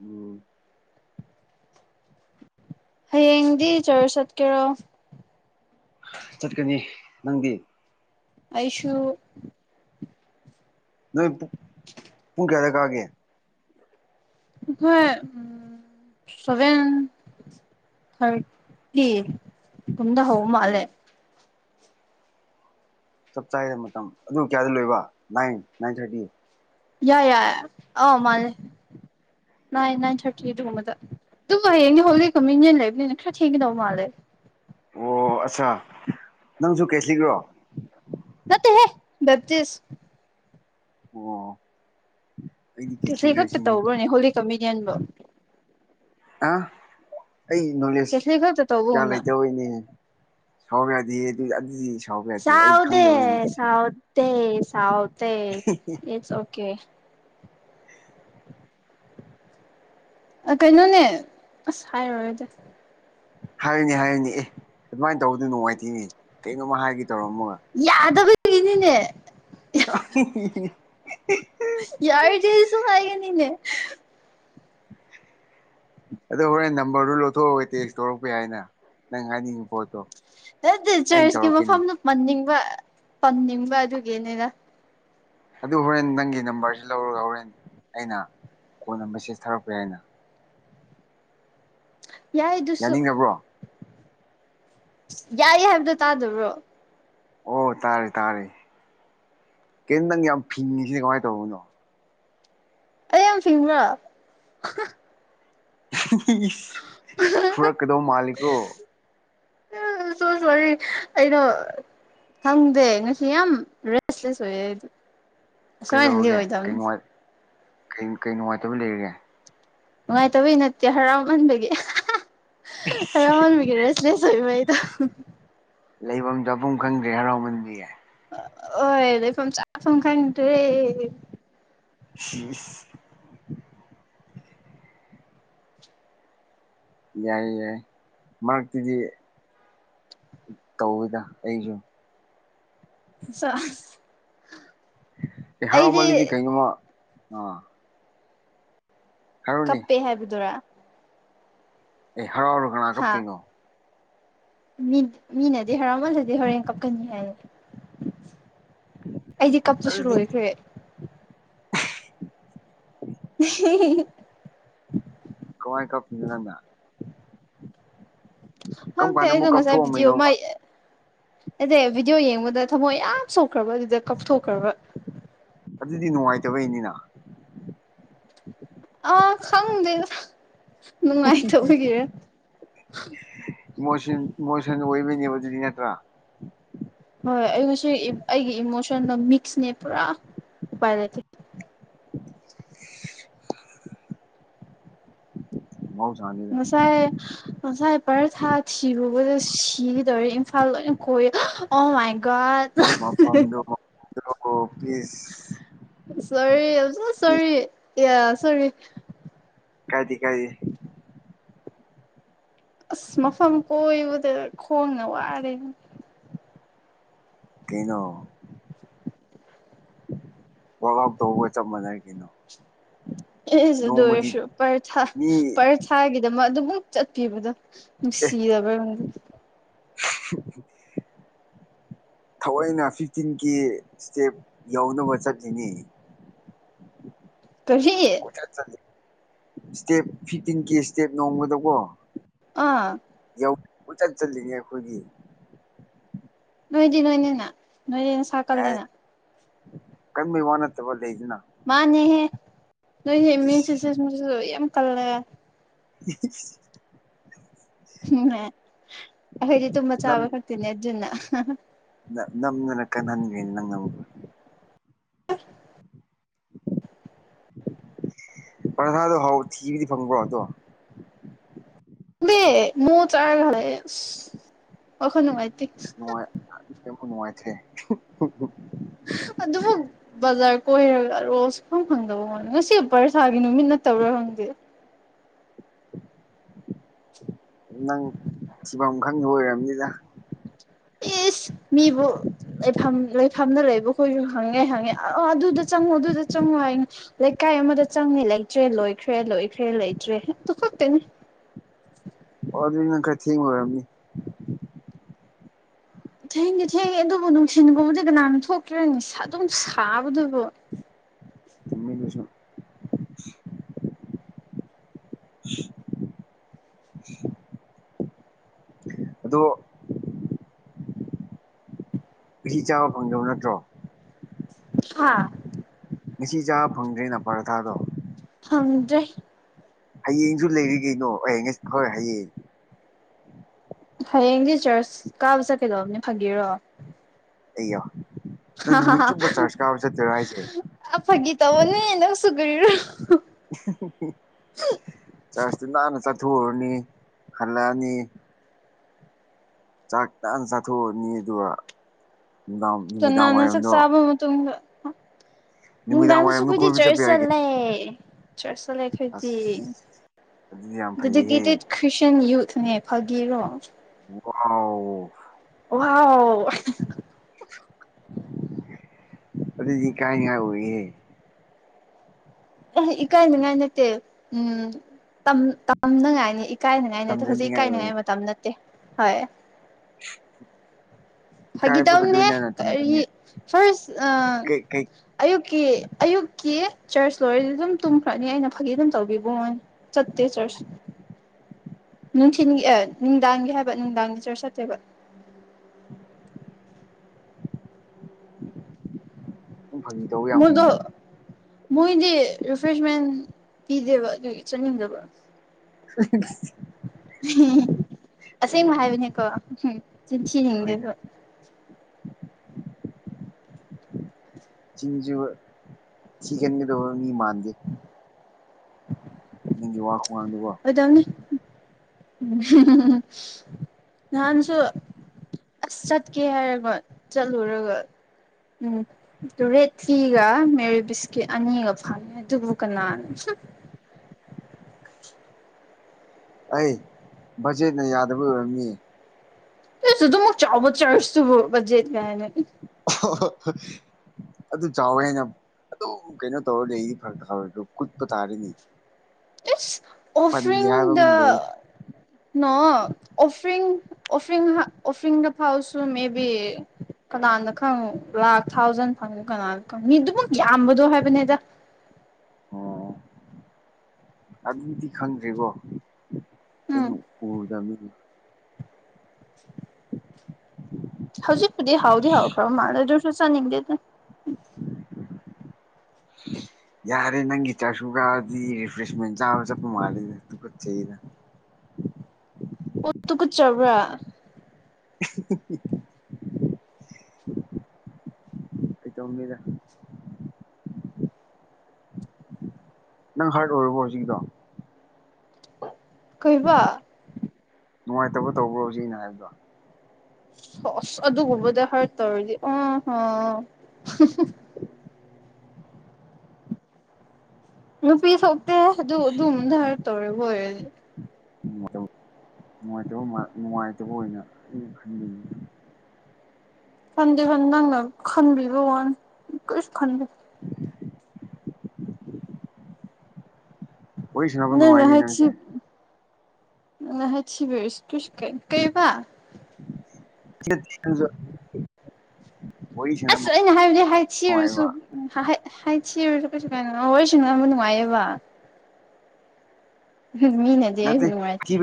ꯎꯝ ꯍꯌꯦꯡꯗꯤ ꯆꯔ ꯆꯠꯀꯦꯔꯣ ꯆꯠꯀꯅꯤ ꯅꯪꯗꯤ ꯑꯩꯁꯨꯁꯨ ꯅꯣꯏ ꯄꯨꯡ ꯀꯌꯥꯗ ꯀꯥꯑꯒꯦ ꯍꯣꯏ ꯎꯝ ꯁꯚꯦꯟ ꯊꯥꯔꯇꯤ ꯌꯝꯗ ꯍꯧꯕ ꯑꯣ ꯃꯥꯜꯂꯦ ꯆꯞ ꯆꯥꯦꯗ ꯃꯇꯝ ꯑꯗꯨ ꯀꯌꯥꯗ ꯂꯣꯏꯕ ꯅꯥꯏꯟ ꯅꯥꯏꯟ ꯊꯥꯔꯇꯤ ꯌꯥꯏ ꯌꯥꯏ ꯑꯥꯎ ꯃꯥꯅꯦ ꯅꯥꯏꯟ ꯅꯥꯏꯟ ꯊꯥꯔꯇꯤꯗꯨꯒꯨꯝꯕꯗ ꯑꯗꯨꯕꯨ ꯍꯌꯦꯡꯅꯤ ꯍꯧꯛꯀꯣ ꯃꯤꯡꯅꯦꯦꯟ ꯂꯩꯕꯅꯤꯅ ꯈꯔ ꯊꯦꯡꯒꯗꯧ ꯃꯥꯜꯂꯦ ꯑꯣ ꯑꯠꯆꯥ ꯅꯪꯁꯨ ꯀꯦꯁꯂꯤꯈ꯭ꯔꯣ ꯅꯠꯇ ꯍꯦ ꯗꯞꯇꯁ ꯑꯣ ꯑꯩꯗꯤ ꯀ ꯀꯦꯊꯂꯤꯛꯔ ꯈꯛꯇ ꯁꯤꯅꯤꯗ ꯇꯧꯔꯣꯅꯦ ꯍꯣꯂꯤ ꯀꯃꯤꯗꯤꯌꯟꯕꯣ ꯑ ꯑꯩ ꯅꯣꯂꯦꯖ ꯀꯦꯊꯂꯤꯛ ꯈꯛꯇ ꯀꯌꯥ ꯇꯧꯕꯒꯨꯝꯅ ꯂꯩꯇꯕꯔꯤꯅꯦ ꯁꯣꯔ ꯌꯥꯗꯤ ꯑꯗꯨ ꯑꯗꯨꯗꯤ ꯁꯥꯎꯕ ꯌꯥꯗꯦ ꯑꯩ ꯁꯥꯎꯗꯦ ꯈꯪꯗꯕꯩꯅꯤ ꯁꯥꯎꯗꯦ ꯁꯥꯎꯗ ꯏꯠꯁ ꯑꯣꯀꯦ ꯀꯩꯅꯣꯅꯦ ꯑꯁ ꯍꯥꯏꯔꯨꯔꯗꯤꯦ ꯍꯥꯏꯨꯅꯦ ꯍꯥꯏꯌꯨꯅꯦ ꯑꯦ ꯑꯗꯨꯃꯥꯏꯅ ꯇꯧꯕꯗꯨ ꯅꯨꯡꯉꯥꯏꯇꯣꯏꯅꯦ ꯀꯩꯅꯣꯝꯃ ꯍꯥꯏꯒꯦ ꯇꯧꯔꯝꯃꯒ ꯌꯥꯗꯕꯅꯤꯅꯦ [unintelligible] ꯌꯥꯔꯗꯁꯨꯣ ꯍꯥꯏꯦꯅꯤꯅꯦ ꯑꯗꯣ ꯍꯣꯔꯦꯟ ꯅꯝꯕꯔꯗꯨ ꯂꯧꯊꯣꯛꯑꯒꯦ ꯇꯦꯛꯁ ꯇꯧꯔꯛꯄꯦ ꯍꯥꯏꯅ ꯅꯪ ꯍꯥꯏꯅꯤꯡꯉꯤꯕ ꯅꯗꯤ ꯆꯔꯆꯀꯤ ꯃꯐꯝꯗꯨꯣ ꯄꯟꯅꯤꯡꯕ ꯄꯟꯅꯤꯡꯕ ꯑꯗꯨꯒꯤꯅꯤꯅ ꯑꯗꯨ ꯍꯣꯔꯦꯟ ꯅꯪꯒꯤ ꯅꯝꯕꯔꯁꯤ ꯂꯧꯔꯒ ꯍꯣꯔꯦꯟ ꯑꯩꯅ ꯀꯣꯟꯅ ꯃꯦꯁꯦꯁ ꯊꯥꯔꯛꯄ ꯌꯥꯏꯅ ꯌꯥꯏꯗꯨꯁꯨ ꯌꯥꯅꯤꯡꯉꯕ꯭ꯔꯣ ꯌꯥꯏꯦ ꯍꯥꯏꯕꯗꯨꯣ ꯇꯥꯗꯣ ꯑꯣ ꯇꯥꯔꯦ ꯇꯥꯔꯦ ꯀꯩ ꯅꯪ ꯌꯥꯝ ꯐꯤꯡꯉꯤꯁꯤꯗꯤ ꯀꯃꯥꯏꯅ ꯇꯧꯕꯅꯣ ꯑꯩ ꯌꯥꯝ ꯐꯤꯡꯕ꯭ꯔꯥ ꯐꯨꯔꯛꯀꯗꯧꯕ ꯃꯥꯜꯂꯤꯀꯣ ꯁꯣ ꯁꯣꯔꯤ ꯑꯩꯅ ꯈꯪꯗꯦ ꯉꯁꯤ ꯌꯥꯝ ꯔꯦꯁꯂꯦꯁ ꯑꯣꯏꯌꯦꯗꯤ ꯑꯁꯋꯥꯏꯅꯗꯤ ꯑꯣꯏꯗꯕꯅꯤ ꯀ ꯀꯩ ꯅꯨꯡꯉꯥꯏꯇꯕ ꯂꯩꯔꯤꯒꯦ ꯅꯨꯡꯉꯥꯏꯇꯕꯩ ꯅꯠꯇꯦ ꯍꯔꯥꯎꯍꯟꯕꯒꯤ ꯍꯔꯥꯎꯍꯟꯕꯒꯤꯔꯦ ꯁꯏ ꯃꯗ ꯂꯩꯐꯝ ꯆꯥꯐꯝ ꯈꯪꯗ꯭ꯔꯦ ꯍꯔꯥꯎꯕꯟꯗꯤꯦ ꯑꯣ ꯐ ꯆꯄꯐꯝ ꯀꯔꯦ ꯍ ꯌꯥꯏ ꯌꯥꯏ ꯃꯔꯛꯇꯨꯗꯤ ꯇꯧꯋꯤꯗ ꯑꯩꯁꯨ ꯁꯥꯁ ꯑꯦ ꯍꯔꯥꯎꯃꯜꯂꯤꯗꯤ ꯀꯩꯒꯨꯝꯃ ꯑꯥ ꯍꯥꯏꯔꯣꯅꯦ ꯀꯞꯄꯦ ꯍꯥꯏꯕꯗꯨꯔꯥ ꯑꯩ ꯍꯔꯥꯎꯔꯒ ꯀꯅꯥ ꯍꯥ ꯀꯞꯇꯣꯏꯅꯣ ꯃꯤꯅꯗꯤ ꯍꯔꯥꯎꯃꯅꯗꯤ ꯍꯣꯔꯦꯟ ꯀꯞꯀꯅꯤ ꯍꯥꯏꯌꯦ ꯑꯩꯗꯤ ꯀꯞꯄꯁꯨ ꯑꯗꯨꯗꯤ ꯂꯣꯏꯈ꯭ꯔꯦ ꯎ ꯀꯃꯋꯥꯥꯏ ꯀꯞꯗ ꯀꯔꯝ ꯍꯪ ꯀꯥꯟꯗ ꯑꯃꯨꯛ ꯀꯗꯉꯁꯦꯕꯤꯗꯤ ꯑꯣꯃ ꯀꯞꯊꯣꯛꯑꯝꯃꯤꯅꯣꯕ ꯑꯦꯗ ꯚꯤꯗꯤꯑꯣ ꯌꯦꯡꯕꯗ ꯊꯃꯣꯏ ꯌꯥꯝ ꯁꯧꯈ꯭ꯔꯕ ꯑꯗꯨꯗ ꯀꯥꯞꯊꯣꯛꯈ꯭ꯔꯕ꯫ ꯑꯗꯨꯗꯤ ꯅꯨꯡꯉꯥꯏꯇꯕꯩꯅꯤꯅ꯫ ꯑꯥ ꯈꯪꯗꯦ ꯅꯨꯡꯉꯥꯏꯇꯕꯒꯤꯔꯦ ꯁꯟ ꯏꯃꯣꯁꯟ ꯑꯣꯏꯕꯅꯦꯕ ꯑꯗꯨꯗꯤ ꯅꯠꯇ꯭ꯔꯥ ꯍꯣꯏ ꯑꯩꯕꯨꯁꯨ ꯑꯩꯒꯤ ꯏꯃꯣꯁꯟꯗ ꯃꯤꯛꯁꯅꯦ ꯄꯨꯔꯥ ꯎꯄꯥꯏ ꯂꯩꯇꯦ꯫ [unintelligible] [unintelligible] ꯉꯁꯥꯏ ꯉꯁꯥꯏ ꯄꯔꯦ ꯊꯥ ꯊꯤꯔꯨꯕꯗ ꯁꯤꯗꯧꯔꯦ ꯏꯝꯐꯥꯜ ꯂ ꯀꯣꯏ ꯑꯣ ꯃꯌ ꯒꯠ ꯃꯐꯝꯗꯣ [unintelligible] ꯁꯣꯔꯤ ꯄ꯭ꯂꯤꯁ ꯁꯣꯔꯤ ꯁꯣꯔꯤ ꯀꯥꯏꯗꯤ ꯀꯥꯏꯗꯤ ꯑꯁ ꯃꯐꯝ ꯀꯣꯏꯕꯗ ꯈꯣꯡꯅ ꯋꯥꯔꯦ꯫ ꯀꯩꯅꯣ ꯋꯔꯝ ꯑꯞ ꯇꯧꯕꯒ ꯆ ꯃꯅ ꯀꯩꯅꯣ ꯑꯦꯁ ꯑꯗꯨ ꯅꯣꯡꯃꯒꯤ ꯑꯣꯏꯔꯁꯨ ꯄꯔ ꯃꯤ ꯄꯔꯊꯥꯒꯤꯗꯃꯛ ꯑꯗꯨꯝꯛ ꯆꯠꯄꯤꯕꯗꯣ ꯑꯦ ꯁꯤꯗꯥꯕ [unintelligible] ꯊꯑꯣꯏꯅ ꯐꯤꯐꯇꯤꯟꯀꯤ ꯏꯁꯇꯦꯞ ꯌꯧꯅꯕ ꯆꯠꯂꯤꯅꯤ꯫ ꯀꯁꯤ ꯏꯁꯇꯦꯞ ꯐꯤꯞꯇꯤꯟ ꯀꯦ ꯏꯁꯇꯦꯞ ꯅꯣꯡꯃꯗꯀꯣ꯫ ꯑꯥ ꯌꯧ ꯆꯠ ꯆꯠꯂꯤꯉꯦ ꯑꯩꯈꯣꯏꯒꯤ ꯅꯣꯏꯗꯤ ꯅꯣꯏꯅꯦꯅ ꯅꯣꯏꯅꯦꯅ ꯑꯦ ꯁꯥꯀꯜꯂꯦꯅ ꯀꯟꯕꯩ ꯋꯥ ꯅꯠꯇꯕ ꯂꯩꯗꯅ ꯃꯥꯅꯦꯍꯦ ꯅꯣꯏꯗꯤ ꯏꯁ ꯏꯃꯨꯟꯁꯨꯁꯇꯦꯃꯁꯨ ꯌꯥꯝ ꯀꯜꯂ꯫ ꯏꯁꯥ ꯎꯝꯈꯣꯏꯗꯤ ꯇꯨꯝꯕ ꯆꯥꯕ ꯍꯥꯛꯇꯅꯦ ꯑꯗꯨꯅ ꯅꯝꯅꯔ ꯀ ꯅꯟꯒꯅꯤ ꯅꯪ ꯄ꯭ꯔꯊꯗꯣ ꯍꯥꯎ ꯊꯤꯕꯗꯤ ꯐꯪꯕ꯭ꯔꯣ ꯑꯗꯣ ꯗ ꯃꯨ ꯆꯥꯒꯔꯦ ꯋꯥꯈꯅ ꯃꯥꯥꯏ [unintelligible] ꯅꯣꯏ ꯑꯁꯦꯡꯕ ꯅꯨꯡꯉꯥꯏꯇꯔꯦ ꯫ ꯑꯗꯨꯃꯛ ꯕꯖꯥꯔ ꯀꯣꯏꯔꯒꯔꯣ꯫ ꯍꯪ ꯍꯪꯗꯕ ꯃꯥꯅ‌ꯦ ꯉꯁꯤ ꯄꯔ ꯁꯥꯒꯤ ꯅꯨꯃꯤꯠ ꯅꯠꯇꯕ꯭ꯔ ꯍꯪꯗꯦ꯫ ꯅꯪ ꯐꯤꯕꯝ ꯈꯪꯗ ꯑꯣꯏꯔꯝꯅꯤꯗ꯫ ꯏꯁ ꯃꯤꯕꯨ ꯂꯩꯐꯝ ꯂꯩꯐꯝꯗ ꯂꯩꯕꯈꯣꯏꯁꯨ ꯍꯪꯉꯦ ꯍꯪꯉꯦ ꯑꯥ ꯑꯗꯨꯗ ꯆꯪꯉꯨ ꯑꯗꯨꯗ ꯆꯪꯉꯨ ꯍꯥꯏꯅꯤ꯫ ꯂꯩꯀꯥꯏ ꯑꯃꯗ ꯆꯪꯉꯦ ꯂꯩꯇ꯭ꯔꯦ ꯂꯣꯏꯈ꯭ꯔꯦ ꯂꯣꯏꯈ꯭ꯔꯦ ꯂꯩꯇ꯭ꯔꯦ ꯇꯨꯈꯛꯇꯅꯤ꯫ ꯑꯣ ꯑꯗꯨꯗꯤ ꯅꯪ ꯈꯔ ꯊꯦꯡ ꯑꫭꯏꯔꯝꯅꯤ꯫ ꯊꯦꯡꯗꯤ ꯊꯦꯡꯉ‌ꯦ ꯑꯗꯨꯕꯨ ꯅꯨꯡꯁꯤꯒꯨꯝꯕꯨꯗꯤ ꯀꯅꯥꯅ ꯊꯣꯛꯇ꯭ꯔꯅꯤ ꯑꯗꯨꯝ ꯁꯥꯕꯗꯨꯕꯨ꯫ ꯆꯨꯝꯃꯤ ꯑꯗꯨꯁꯨ꯫ ꯑꯗꯣ [inaudible] ꯃꯍꯤ ꯆꯥꯕ ꯐꯪꯗꯕ ꯅꯠꯇ꯭ꯔꯣ? ꯍꯥꯥ ꯉꯁꯤ ꯆꯥꯕ ꯐꯪꯗ꯭ꯔꯦꯅ ꯄꯔꯊꯥꯗꯣ ꯐꯉꯥꯗꯔꯦ꯫ ꯍꯌꯦꯡꯁꯨ ꯂꯩꯔꯤ ꯀꯩꯅꯣ ꯍꯣꯏ ꯍꯌꯦꯡ꯫ ꯍꯌꯦꯡꯗꯤ ꯆꯔꯁ ꯀꯥꯕꯁꯠ ꯀꯩꯗꯕꯅꯦ ꯐꯪꯒꯤꯔꯣ꯫ ꯑꯩꯌꯥ ꯅꯪ ꯅꯨꯃꯤꯠ ꯆꯨꯝꯕ ꯆꯥꯔꯖ ꯀꯥꯕ ꯆꯠꯇꯣꯏꯔꫭ ꯍꯥꯏꯁꯤ꯫ ꯑꯗꯨ ꯐꯥꯒꯤ ꯇꯧꯕꯅꯤ ꯅꯪꯁꯨ ꯀꯔꯤꯔ‌ꫭ꯫ ꯆꯔꯖꯇꯤ ꯅꯥꯟꯅ ꯆꯠꯊꯣꯛꯎꯔꯅꯤ ꯍꯜꯂꯛꯑꯅꯤ ꯆꯥꯛ ꯇꯥꯅ ꯆꯥꯊꯣꯛꯑꯅꯤ ꯑꯗꯨꯒ ꯅꯨꯡꯗꯥꯡ ꯅꯨꯃꯤꯗꯥꯡ ꯀꯥꯅꯅ ꯆꯥꯛ ꯋꯥꯏꯔꯝꯗꯣ ꯆꯥꯕ ꯃꯇꯨꯡꯗ ꯅꯨꯃꯤꯗꯥꯡ ꯅꯨꯡꯗꯥꯡꯗꯁꯨ ꯋꯥꯏꯔꯝꯗ ꯑꯈꫭꯏꯗꯤ ꯀꯣꯏꯕ ꯆꯠꯄ ꯆꯔꯖ ꯌꯥꯔꯦ ꯀꯩꯅꯣ ꯆꯠꯂ‌ꯦ ꯆꯔꯖ ꯆꯠꯂꯒ‌ꯦ ꯍꯥꯏꯗꯤ ꯑꯁ ꯑꯗꯨꯗꯤ ꯌꯥꯝ ꯐꯩꯍꯦ ꯗꯦꯗꯤꯀꯦꯇꯦꯠ ꯈ꯭ꯔꯤꯁꯇꯟ ꯌꯨꯠꯅꯦ ꯐꯥꯒꯤꯔꯣ ꯋꯥꯎ ꯑꯣꯍꯥꯎ ꯑꯗꯨꯗꯤ ꯀꯥꯏ ꯅꯤꯉꯥꯏ ꯑꫭꯌ‌ꯦ ꯑ‌ꯦ ꯏꯀꯥꯏꯅꯤꯉꯥꯏ ꯅꯠꯇꯦ ꯎꯝ ꯇꯝꯅꯉꯥꯏꯅꯤ ꯀꯥꯏꯅꯉꯥꯏꯅꯤꯗ ꯍꯧꯖꯤꯛ ꯇꯝꯖꯅꯤꯡꯉꯥꯏ ꯑꯣꯏ ꯀꯥꯏꯅꯉꯥꯏ ꯃꯇꯝ ꯅꯠꯇꯦ ꯍꯣꯏ ꯏꯀꯥꯏꯕꯒ ꯐꯥꯒꯤꯇꯩꯅꯤꯝ ꯍ‌ꯦ ꯂꯣꯏꯅꯅ ꯀꯔꯤ ꯇꯝꯖꯅꯤꯡꯉꯦ ꯐꯥꯔꯁ ꯑꯥ ꯀꯩ ꯀꯩ ꯑꯌꯨꯛꯀꯤ ꯑꯌꯨꯛꯀꯤ ꯆꯔꯖ ꯂꯣꯏꯔꯗꯤ ꯑꯗꯨꯝ ꯇꯨꯝꯈ꯭ꯔꯅꯤ ꯑꯩꯅ ꯐꯥꯒꯤ ꯑꯗꯨꯝ ꯇꯧꯕꯤꯕꯣ ꯃꫭꯏꯅ ꯆꯠꯇ‌ꯦ ꯆꯔꯖ ꯅꯨꯡꯊꯤꯟꯒꯤ ꯅꯨꯡꯗꯥꯡꯒꯤ ꯍꯥꯏꯕ ꯅꯨꯡꯗꯥꯡꯗ ꯆꯔꯖ ꯆꯠꯇꯦꯕ [inaudible] ꯐꯥꯒꯤ ꯇꯧꯕ ꯌꯥꯝ ꯍꯩꯅ ꯃꫭꯏꯗꫭ ꯃꯣꯏꯗꯤ ꯔꯤꯐ꯭ꯔꯦꯁꯃꯦꯟ ꯄꯤꯗꯦꯕ ꯑꯗꯨꯒꯤ ꯆꯠꯅꯤꯡꯗꯕ [unintelligible] ꯑꯁꯦꯡꯕ ꯍꯥꯏꯕꯅꯦꯀꯣ ꯍꯣꯏꯗ ꯆꯤꯟꯊꯤꯅꯤꯡꯗꯦꯕ ꯆꯤꯟꯁꯨ ꯊꯤꯒꯟꯕ ꯃꯤ ꯃꯥꯟꯗ‌ꯦ ꯅꯤꯡꯒꯤ ꯋꯥꯥꯛ ꯈꯨꯉꯥꯡꯗꯨꯀꫭ ꯑꯣꯏꯗꯝꯅꯤ ꯅꯍꯥꯟꯁꯨ ꯑꯁ ꯆꯠꯀꯦ ꯍꯥꯏꯔꯒ ꯆꯠꯂꯨꯔꯒ ꯎꯝ ꯔꯦꯠ ꯇꯥꯒ ꯃꯦꯔꯤ ꯕꯤꯁꯀꯤꯠ ꯑꯅꯤꯒ ꯐꯪꯉꯦ ꯑꯗꯨꯕꯨ ꯀꯅꯥꯅ ꯍꯨꯝ ꯑꯩ ꯕꯖꯦꯠꯅ ꯌꯥꯗꯕ ꯑꯣꯏꯔꯝꯅꯤ ꯏꯁ ꯑꯗꯨꯃꯨꯛ ꯆꯥꯎꯕ ꯆꯥꯔꯖ ꯇꯨꯕꯨ ꯕꯖ‌ꯦꯠ ꯀꯥꯏꯅ [unintelligible] ꯑꯗꯨ ꯆꯥꯎꯋꯦ ꯍꯥꯏꯅ ꯑꯗꯨꯝ ꯀꯩꯅꯣ ꯇꯧꯔ ꯂꯩꯗꯤ ꯐꯔꯛꯇ ꯍꯥꯎꯋꯦ ꯀꯨꯠꯄ ꯇꯥꯔ‌ꯦꯅ‌ꯦ ꯏꯁ ꯍꯥꯏꯕ ꯑꯃ ꯑꯣꯞꯐ꯭ꯔꯡꯗ ꯂꯩ ꯅꫭ ꯑꯣꯐꯔꯤ ꯑꯣꯐꯔꯤ ꯑꯣꯐꯔꯤꯗ ꯐꯥꯎꯁꯨ ꯃꯦꯕꯤ ꯀꯅꯥꯗ ꯈꯪ ꯂꯥꯛ ꯊꯥꯎꯖꯟ ꯐꯪꯉꯨ ꯀꯅꯥꯗ ꯈꯪ ꯃꯤ ꯑꯗꯨ ꯃꯨꯛ ꯌꯥꯝꯕꯗꯣ ꯍꯥꯏꯕꯅꯦꯗ ꯑꯣ ꯑꯗꯨꯗꯤ ꯈꯪꯗ꯭ꯔꯤꯕꯣ ꯎꯝ ꯑꯩꯅ ꯎꯗꯝꯃꯤꯅ [inaudible] ꯍꯧꯖꯤꯛ ꯈꯨꯗꯤ ꯍꯥꯎꯗꯤ ꯍꯥꯎ ꯈ꯭ꯔꯥꯎ ꯃꯥ ꯑꯗꯨ꯭ꯔꯁꯨ ꯆꯅꯤꯡꯗꯦ ꯌꯥꯔꯦ ꯅꯪꯒꯤ ꯆꯥꯁꯨ ꯀꯗꯤ ꯔꯤꯐ꯭ꯔꯦꯁꯃꯦꯟ ꯆꯥꯕ ꯆꯠꯄ ꯃꯥꯜꯂꯤꯠꯆꯗ ꯑꯣ ꯇ ꯀ ꯆꯕ꯭ꯔꯥ [unintelligible] ꯇꯧꯅꯤꯗ ꯅꯪ ꯍꯥꯔꯠ ꯑꯣꯏꯔꯕꯣ ꯍꯧꯖꯤꯛꯀꯤꯗꯣ ꯀꯩꯕ꯫ ꯅꯨꯡꯉꯥꯏꯇꯕ ꯇꯧꯕ꯭ꯔꯣꯖꯤꯛ ꯑꯩꯅ ꯍꯥꯏꯕꯗꯣ ꯍꯁ ꯑꯗꯨꯒꯨꯝꯕꯗ ꯍ꯭ꯔꯥꯠ ꯇꯧꯔꯗꯤ ꯑꯍꯥ ꯅꯨꯄꯤ ꯁꯣꯛꯇꯦ ꯑꯗꯨ ꯑꯗꯨꯝꯗꯔ ꯇꯧꯔꯦ ꯑꯣꯏꯔꯗꯤ ꯅꯨꯡꯉꯥꯏꯇꯕ ꯅꯨꯡꯉꯥꯏꯇꯕ ꯑꯣꯏꯅ ꯑꯩꯅ ꯈꯟꯅꯤꯡꯉꯤ ꯈꯟꯗꯦ ꯅꯪꯅ ꯈꯟꯕꯤ ꯋꯥꯅꯤ ꯀꯩꯁꯨ ꯈꯟꯗ‌ꯦ [inaudible] ꯋꯥꯔꯤ ꯁꯥꯟꯅꯕ ꯅꯪꯅ ꯅꯨꯡꯉꯥꯏꯅꯤ ꯅꯪꯁꯦ [unintelligible] ꯑ ꯍꯁꯤꯕꯁ ꯇꯨ ꯀ ꯀꯩꯕ [unintelligible] ꯁꯥꯟꯅꯕ ꯑꯁ ꯑꯩꯅ ꯍꯥꯏꯕꯗꯤ ꯍꯥꯏꯊꯤꯔꯁꯨ ꯅꯨꯡꯉꯥꯏꯕ ꯎ ꯍ ꯍꯥꯏ ꯊꯤꯔꯁꯨ ꯀꯩꯁꯨ ꯀꯥꯏꯅꯣ ꯋꯥꯔꯤ ꯁꯅꯕ ꯅꯨꯡꯉꯥꯏꯌꯦꯕ ꯃꯤꯅꯗꯤ ꯑꯩꯕꯨ ꯅꯨꯡꯉꯥꯏꯇ‌ꯦ